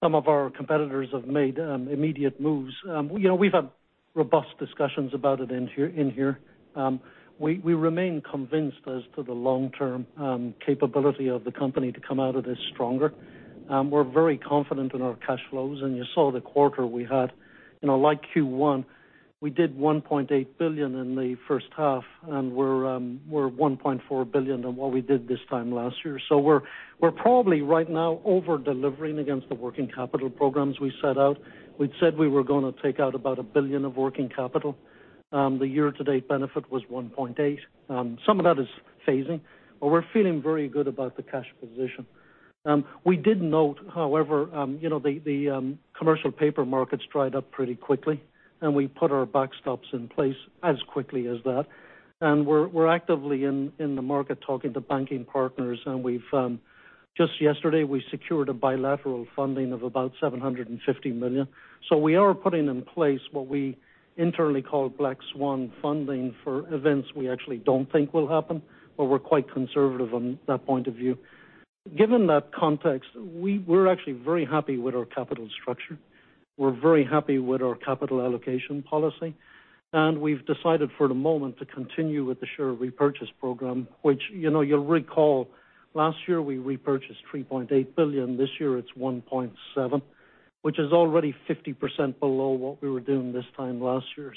Some of our competitors have made immediate moves. We've had robust discussions about it in here. We remain convinced as to the long-term capability of the company to come out of this stronger. We're very confident in our cash flows, and you saw the quarter we had. Like Q1, we did $1.8 billion in the first half, and we're $1.4 billion on what we did this time last year. We're probably right now over-delivering against the working capital programs we set out. We'd said we were going to take out about $1 billion of working capital. The year-to-date benefit was $1.8 billion. Some of that is phasing, but we're feeling very good about the cash position. We did note, however, the commercial paper markets dried up pretty quickly, and we put our backstops in place as quickly as that. We're actively in the market talking to banking partners, and just yesterday, we secured a bilateral funding of about $750 million. We are putting in place what we internally call black swan funding for events we actually don't think will happen, but we're quite conservative on that point of view. Given that context, we're actually very happy with our capital structure. We're very happy with our capital allocation policy. We've decided for the moment to continue with the share repurchase program, which you'll recall, last year we repurchased $3.8 billion. This year it's $1.7 billion, which is already 50% below what we were doing this time last year.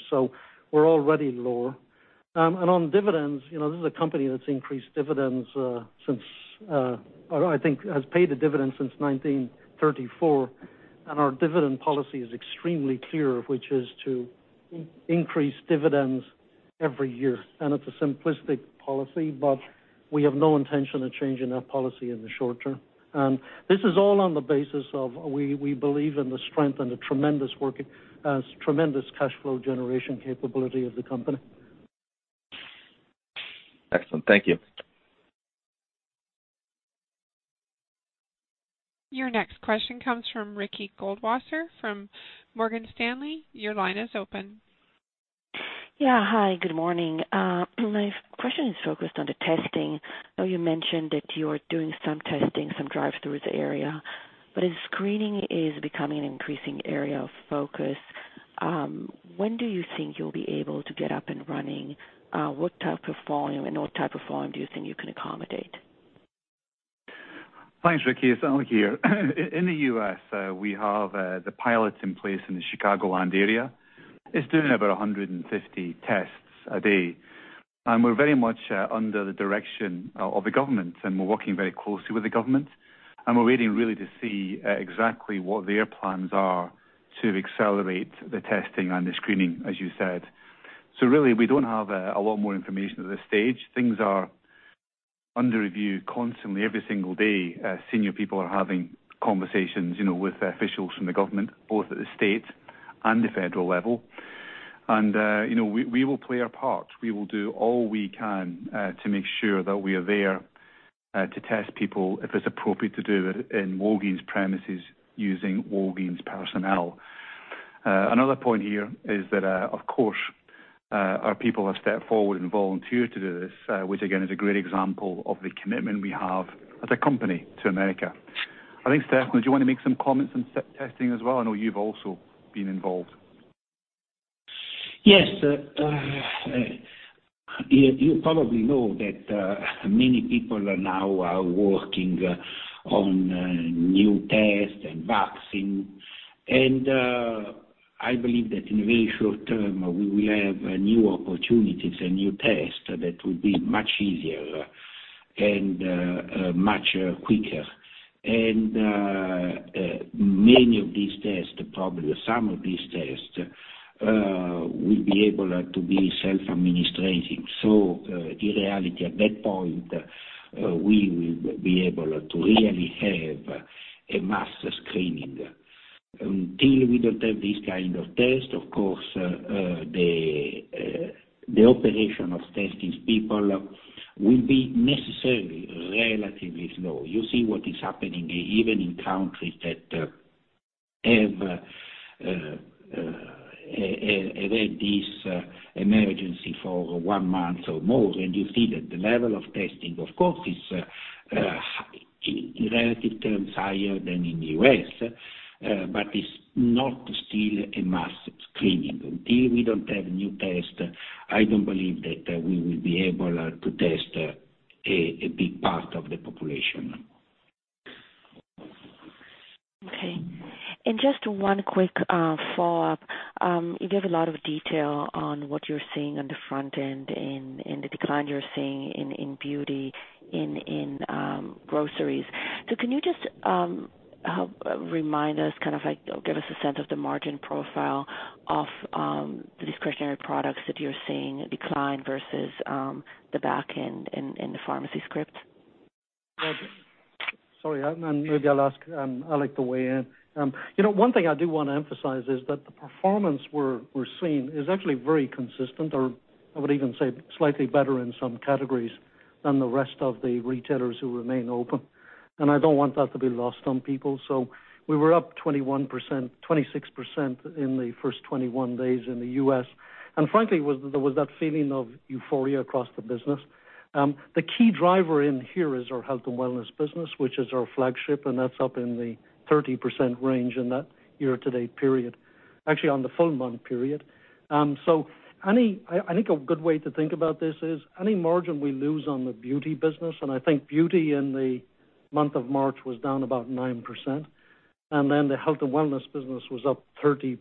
We're already lower. On dividends, this is a company that's increased dividends since I think has paid a dividend since 1934, and our dividend policy is extremely clear, which is to increase dividends every year. It's a simplistic policy, but we have no intention of changing that policy in the short term. This is all on the basis of, we believe in the strength and the tremendous cash flow generation capability of the company. Excellent. Thank you. Your next question comes from Ricky Goldwasser from Morgan Stanley. Your line is open. Yeah. Hi, good morning. My question is focused on the testing. I know you mentioned that you're doing some testing, some drive-throughs area. As screening is becoming an increasing area of focus, when do you think you'll be able to get up and running? What type of volume do you think you can accommodate? Thanks, Ricky. It's Alex here. In the U.S., we have the pilots in place in the Chicagoland area. It's doing about 150 tests a day, and we're very much under the direction of the government, and we're working very closely with the government, and we're waiting really to see exactly what their plans are to accelerate the testing and the screening, as you said. Really, we don't have a lot more information at this stage. Things are under review constantly every single day. Senior people are having conversations with officials from the government, both at the state and the federal level. We will play our part. We will do all we can to make sure that we are there to test people if it's appropriate to do it in Walgreens premises using Walgreens personnel. Another point here is that, of course, our people have stepped forward and volunteered to do this, which again is a great example of the commitment we have as a company to America. I think, Stefano, do you want to make some comments on testing as well? I know you've also been involved. Yes. You probably know that many people are now working on new tests and vaccines. I believe that in very short term, we will have new opportunities and new tests that will be much easier and much quicker. Many of these tests, probably some of these tests, will be able to be self-administering. In reality, at that point, we will be able to really have a mass screening. Until we don't have this kind of test, of course, the operation of testing people will be necessarily relatively slow. You see what is happening even in countries that have had this emergency for one month or more. You see that the level of testing, of course, is in relative terms higher than in the U.S., but it's not still a mass screening. Until we don't have new tests, I don't believe that we will be able to test a big part of the population. Okay. Just one quick follow-up. You gave a lot of detail on what you're seeing on the front end and the decline you're seeing in beauty, in groceries. Can you just remind us, kind of like give us a sense of the margin profile of the discretionary products that you're seeing decline versus the back end in the pharmacy script? Sorry, maybe I'll ask Alex to weigh in. One thing I do want to emphasize is that the performance we're seeing is actually very consistent, or I would even say slightly better in some categories than the rest of the retailers who remain open, and I don't want that to be lost on people. We were up 26% in the first 21 days in the U.S., and frankly, there was that feeling of euphoria across the business. The key driver in here is our health and wellness business, which is our flagship, and that's up in the 30% range in that year-to-date period. Actually, on the full-month period. I think a good way to think about this is any margin we lose on the beauty business, and I think beauty in the month of March was down about 9%, and the health and wellness business was up 30%+.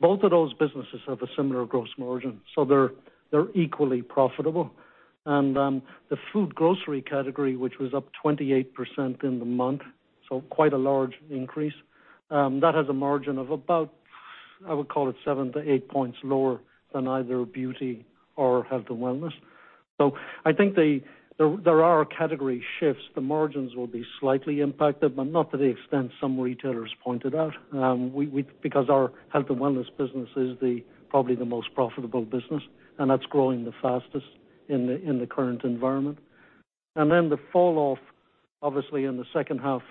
Both of those businesses have a similar gross margin, so they're equally profitable. The food grocery category, which was up 28% in the month, quite a large increase, that has a margin of about, I would call it 7-8 points lower than either beauty or health and wellness. I think there are category shifts. The margins will be slightly impacted, but not to the extent some retailers pointed out. Our health and wellness business is probably the most profitable business, and that's growing the fastest in the current environment. The fall-off, obviously, in the second half,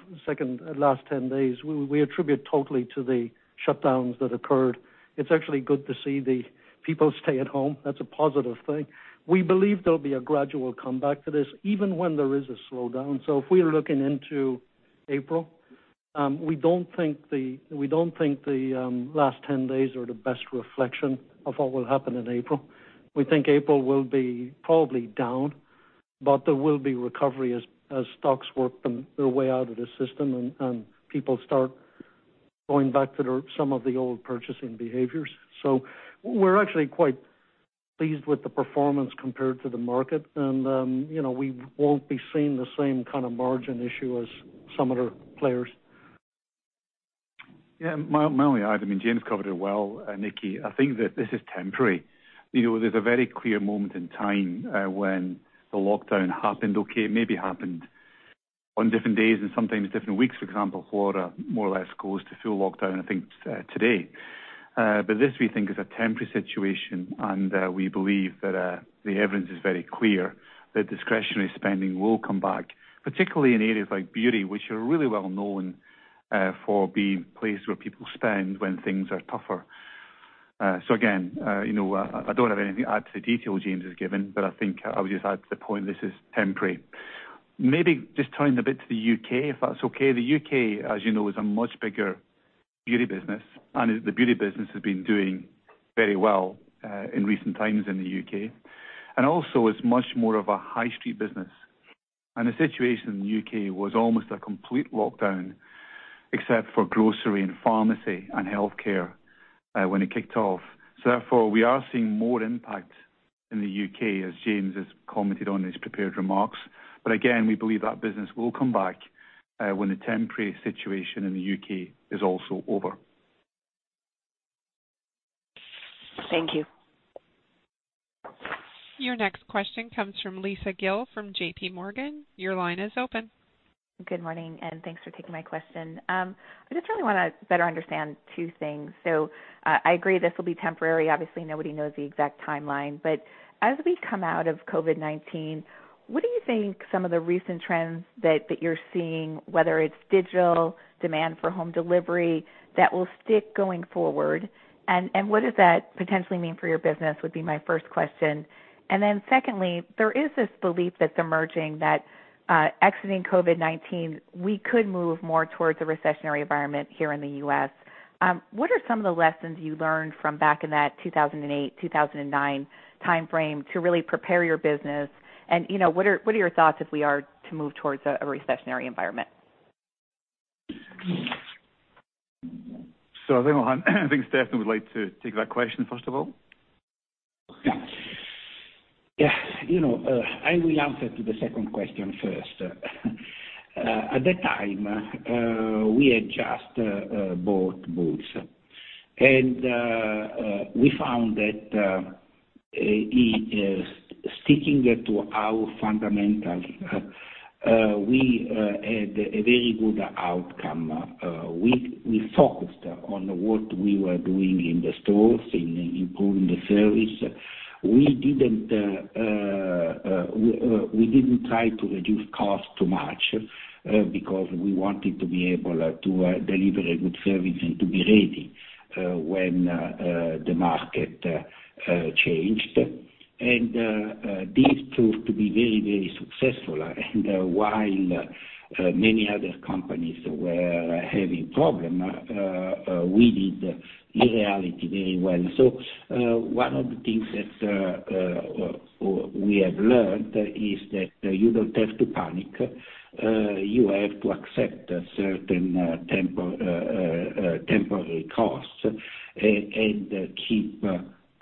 last 10 days, we attribute totally to the shutdowns that occurred. It's actually good to see the people stay at home. That's a positive thing. We believe there'll be a gradual comeback to this, even when there is a slowdown. If we're looking into April, we don't think the last 10 days are the best reflection of what will happen in April. We think April will be probably down, but there will be recovery as stocks work their way out of the system, and people start going back to some of the old purchasing behaviors. We're actually quite pleased with the performance compared to the market, and we won't be seeing the same kind of margin issue as some other players. Mainly, I mean, James covered it well, Ricky. I think that this is temporary. There's a very clear moment in time when the lockdown happened, okay, maybe happened on different days and sometimes different weeks. For example, Florida more or less goes to full lockdown, I think, today. This, we think, is a temporary situation, and we believe that the evidence is very clear that discretionary spending will come back, particularly in areas like beauty, which are really well known for being places where people spend when things are tougher. Again, I don't have anything to add to the detail James has given, but I think I would just add to the point this is temporary. Maybe just turning a bit to the U.K., if that's okay. The U.K., as you know, is a much bigger beauty business, and the beauty business has been doing very well in recent times in the U.K., and also is much more of a high street business. The situation in the U.K. was almost a complete lockdown except for grocery and pharmacy and healthcare when it kicked off. Therefore, we are seeing more impact in the U.K., as James has commented on his prepared remarks. Again, we believe that business will come back when the temporary situation in the U.K. is also over. Thank you. Your next question comes from Lisa Gill from JPMorgan. Your line is open. Good morning, thanks for taking my question. I just really want to better understand two things. I agree this will be temporary. Obviously, nobody knows the exact timeline. As we come out of COVID-19, what do you think some of the recent trends that you're seeing, whether it's digital, demand for home delivery, that will stick going forward? What does that potentially mean for your business, would be my first question. Secondly, there is this belief that's emerging that exiting COVID-19, we could move more towards a recessionary environment here in the U.S. What are some of the lessons you learned from back in that 2008-2009 timeframe to really prepare your business? What are your thoughts if we are to move towards a recessionary environment? I think Stefano would like to take that question, first of all. Yeah. I will answer to the second question first. At that time, we had just bought Boots. We found that sticking to our fundamentals, we had a very good outcome. We focused on what we were doing in the stores, in improving the service. We didn't try to reduce cost too much because we wanted to be able to deliver a good service and to be ready when the market changed. This proved to be very successful. While many other companies were having problem, we did, in reality, very well. One of the things that we have learned is that you don't have to panic. You have to accept certain temporary costs and keep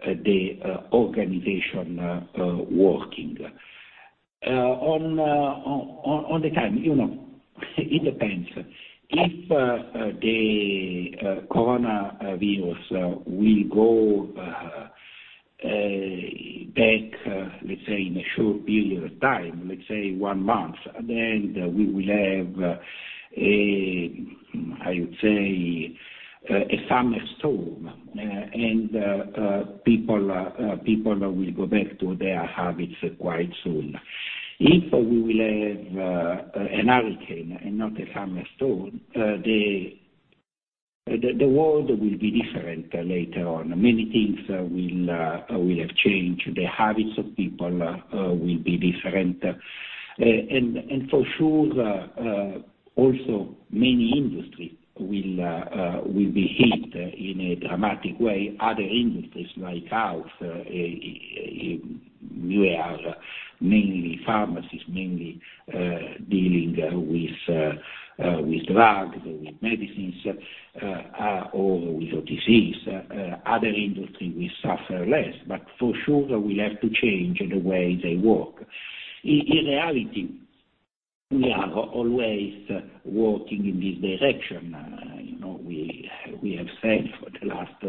the organization working. On the time, it depends. If the coronavirus will go back, let's say, in a short period of time, let's say one month, then we will have a, I would say, a summer storm, and people will go back to their habits quite soon. If we will have a hurricane and not a summer storm, the world will be different later on. Many things will have changed. The habits of people will be different. For sure, also many industry will be hit in a dramatic way. Other industries like us, we are mainly pharmacies, mainly dealing with drugs or with medicines or with a disease. Other industry will suffer less, but for sure will have to change the way they work. In reality, we are always working in this direction. We have said for the last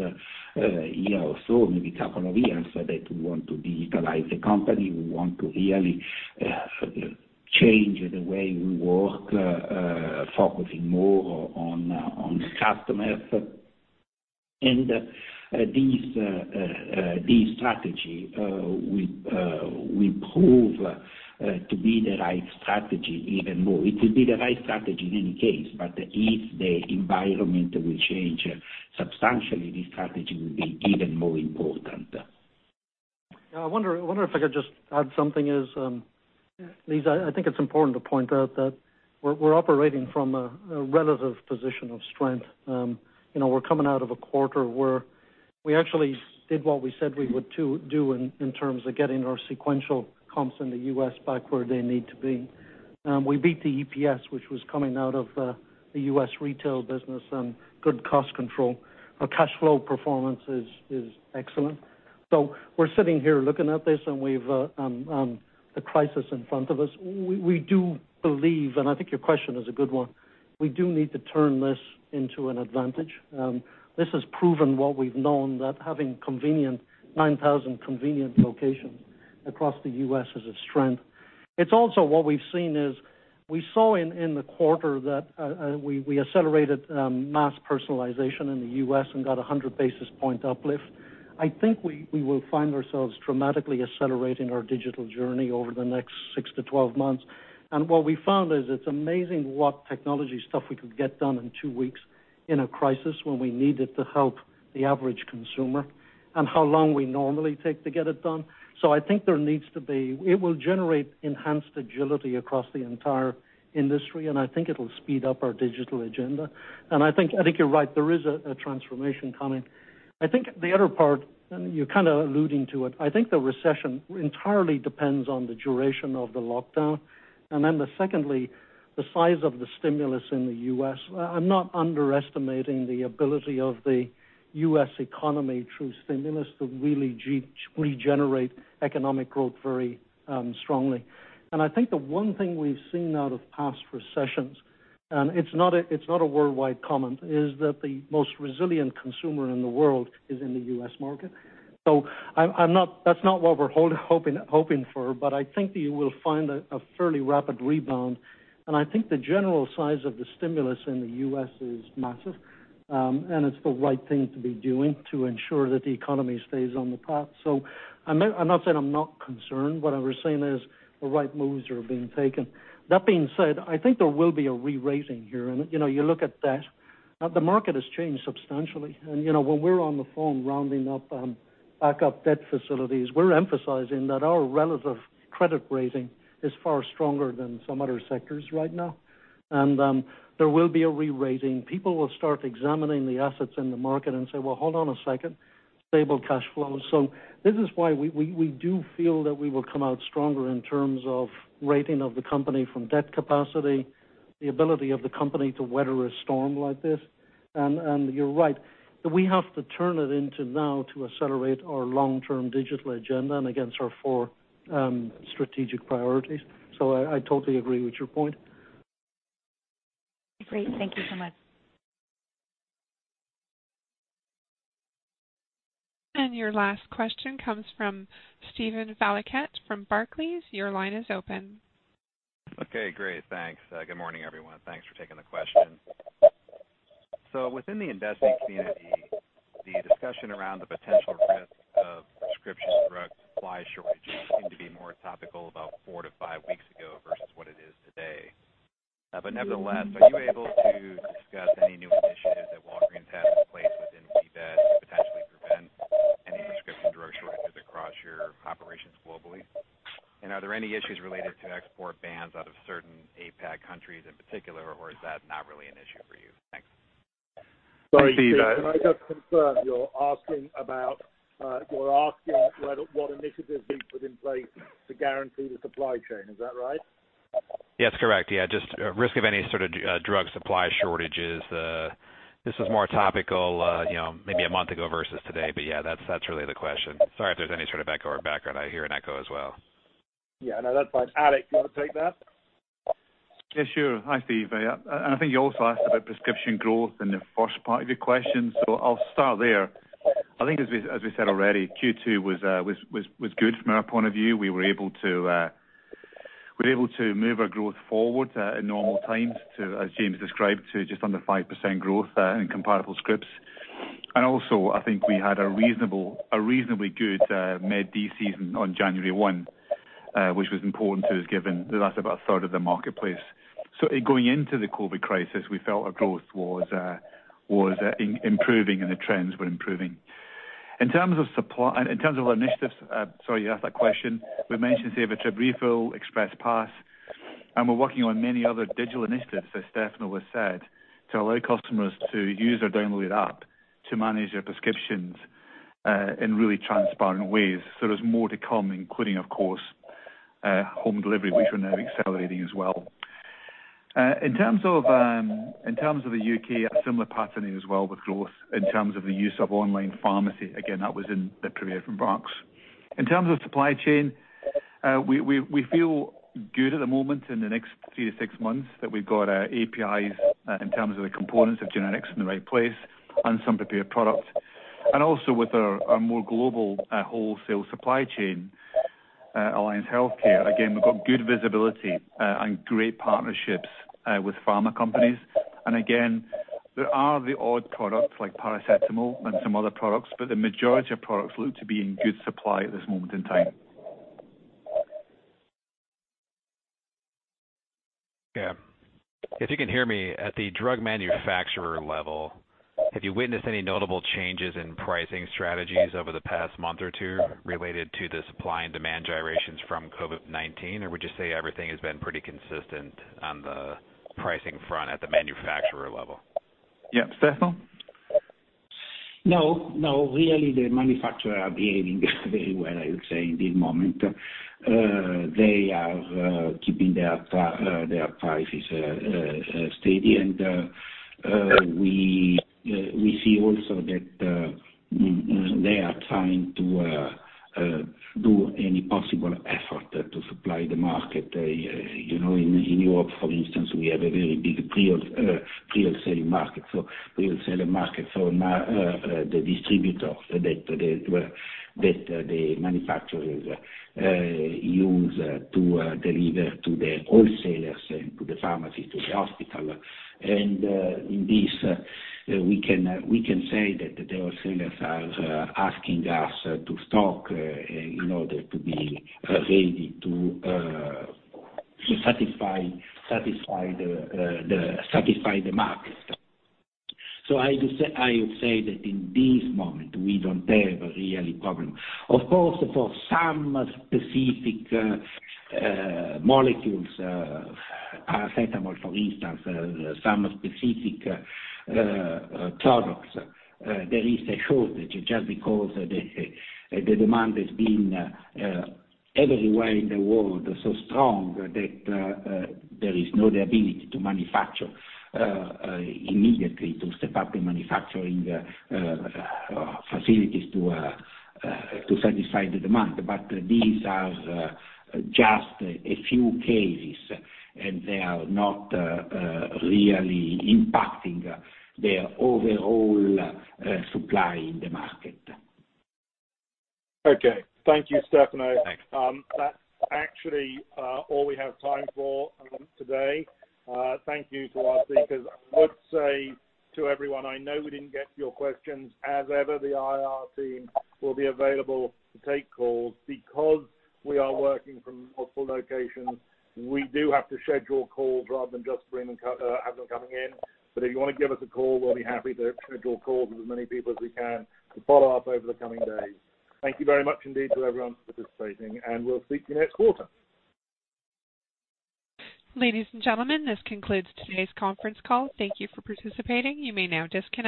year or so, maybe couple of years, that we want to digitalize the company. We want to really change the way we work, focusing more on customers. This strategy will prove to be the right strategy even more. It will be the right strategy in any case, but if the environment will change substantially, this strategy will be even more important. I wonder if I could just add something is, Lisa, I think it's important to point out that we're operating from a relative position of strength. We're coming out of a quarter where we actually did what we said we would do in terms of getting our sequential comps in the U.S. back where they need to be. We beat the EPS, which was coming out of the U.S. retail business and good cost control. Our cash flow performance is excellent. We're sitting here looking at this, and we've the crisis in front of us. We do believe, and I think your question is a good one, we do need to turn this into an advantage. This has proven what we've known, that having 9,000 convenient locations across the U.S. is a strength. It's also what we've seen is we saw in the quarter that we accelerated mass personalization in the U.S. and got 100 basis point uplift. I think we will find ourselves dramatically accelerating our digital journey over the next 6-12 months. What we found is it's amazing what technology stuff we could get done in two weeks in a crisis when we needed to help the average consumer, and how long we normally take to get it done. It will generate enhanced agility across the entire industry, and I think it'll speed up our digital agenda. I think you're right, there is a transformation coming. I think the other part, and you're kind of alluding to it, I think the recession entirely depends on the duration of the lockdown, and then secondly, the size of the stimulus in the U.S. I'm not underestimating the ability of the U.S. economy through stimulus to really regenerate economic growth very strongly. I think the one thing we've seen out of past recessions, and it's not a worldwide comment, is that the most resilient consumer in the world is in the U.S. market. That's not what we're hoping for, but I think that you will find a fairly rapid rebound. I think the general size of the stimulus in the U.S. is massive, and it's the right thing to be doing to ensure that the economy stays on the path. I'm not saying I'm not concerned. What I was saying is the right moves are being taken. That being said, I think there will be a re-rating here. You look at that. The market has changed substantially. When we were on the phone rounding up backup debt facilities, we're emphasizing that our relative credit rating is far stronger than some other sectors right now. There will be a re-rating. People will start examining the assets in the market and say, "Well, hold on a second. Stable cash flows." This is why we do feel that we will come out stronger in terms of rating of the company from debt capacity, the ability of the company to weather a storm like this. You're right. We have to turn it into now to accelerate our long-term digital agenda and against our four strategic priorities. I totally agree with your point. Great. Thank you so much. Your last question comes from Steven Valiquette from Barclays. Your line is open. Okay, great. Thanks. Good morning, everyone. Thanks for taking the question. Within the investing community, the discussion around the potential risk of prescription drug supply shortages seemed to be more topical about four to five weeks ago versus what it is today. Nevertheless, are you able to discuss any new initiatives that Walgreens has in place within WBA to potentially prevent any prescription drug shortages across your operations globally? Are there any issues related to export bans out of certain APAC countries in particular, or is that not really an issue for you? Thanks. Sorry, Steve. Can I just confirm, you're asking what initiatives we put in place to guarantee the supply chain? Is that right? Yes, correct. Yeah, just risk of any sort of drug supply shortages. This was more topical maybe a month ago versus today, but yeah, that's really the question. Sorry if there's any sort of echo or background. I hear an echo as well. No, that's fine. Alex, do you want to take that? Yeah, sure. Hi, Steve. I think you also asked about prescription growth in the first part of your question, so I'll start there. I think, as we said already, Q2 was good from our point of view. We were able to move our growth forward in normal times to, as James described, to just under 5% growth in comparable scripts. Also, I think we had a reasonably good Med D season on January 1, which was important to us given that that's about a third of the marketplace. Going into the COVID crisis, we felt our growth was improving and the trends were improving. In terms of initiatives, sorry, you asked that question. We mentioned, Save a Trip Refill, ExpressPay, and we're working on many other digital initiatives, as Stefano has said, to allow customers to use their downloaded app to manage their prescriptions in really transparent ways. There's more to come, including, of course, home delivery, which we're now accelerating as well. In terms of the U.K., a similar pattern here as well with growth in terms of the use of online pharmacy. Again, that was in the [Premier from Box. In terms of supply chain, we feel good at the moment in the next three to six months that we've got our APIs in terms of the components of generics in the right place and some prepared products. Also with our more global wholesale supply chain, Alliance Healthcare. Again, we've got good visibility and great partnerships with pharma companies. Again, there are the odd products like paracetamol and some other products. The majority of products look to be in good supply at this moment in time. Yeah. If you can hear me, at the drug manufacturer level, have you witnessed any notable changes in pricing strategies over the past month or two related to the supply and demand gyrations from COVID-19? Would you say everything has been pretty consistent on the pricing front at the manufacturer level? Yeah. Stefano? No, really, the manufacturer are behaving very well, I would say, in this moment. They are keeping their prices steady. We see also that they are trying to do any possible effort to supply the market. In Europe, for instance, we have a very big wholesale market. Wholesaler market, so the distributor that the manufacturers use to deliver to the wholesalers and to the pharmacy, to the hospital. In this, we can say that the wholesalers are asking us to stock in order to be ready to satisfy the market. I would say that in this moment, we don't have really problem. Of course, for some specific molecules, paracetamol, for instance, some specific products, there is a shortage just because the demand has been everywhere in the world, so strong that there is no ability to manufacture immediately to step up the manufacturing facilities to satisfy the demand. These are just a few cases, and they are not really impacting the overall supply in the market. Okay. Thank you, Stefano. Thanks. That's actually all we have time for today. Thank you to our speakers. I would say to everyone, I know we didn't get to your questions. As ever, the IR team will be available to take calls. Because we are working from multiple locations, we do have to schedule calls rather than just have them coming in. If you want to give us a call, we'll be happy to schedule calls with as many people as we can to follow up over the coming days. Thank you very much indeed to everyone for participating, and we'll speak to you next quarter. Ladies and gentlemen, this concludes today's conference call. Thank you for participating. You may now disconnect.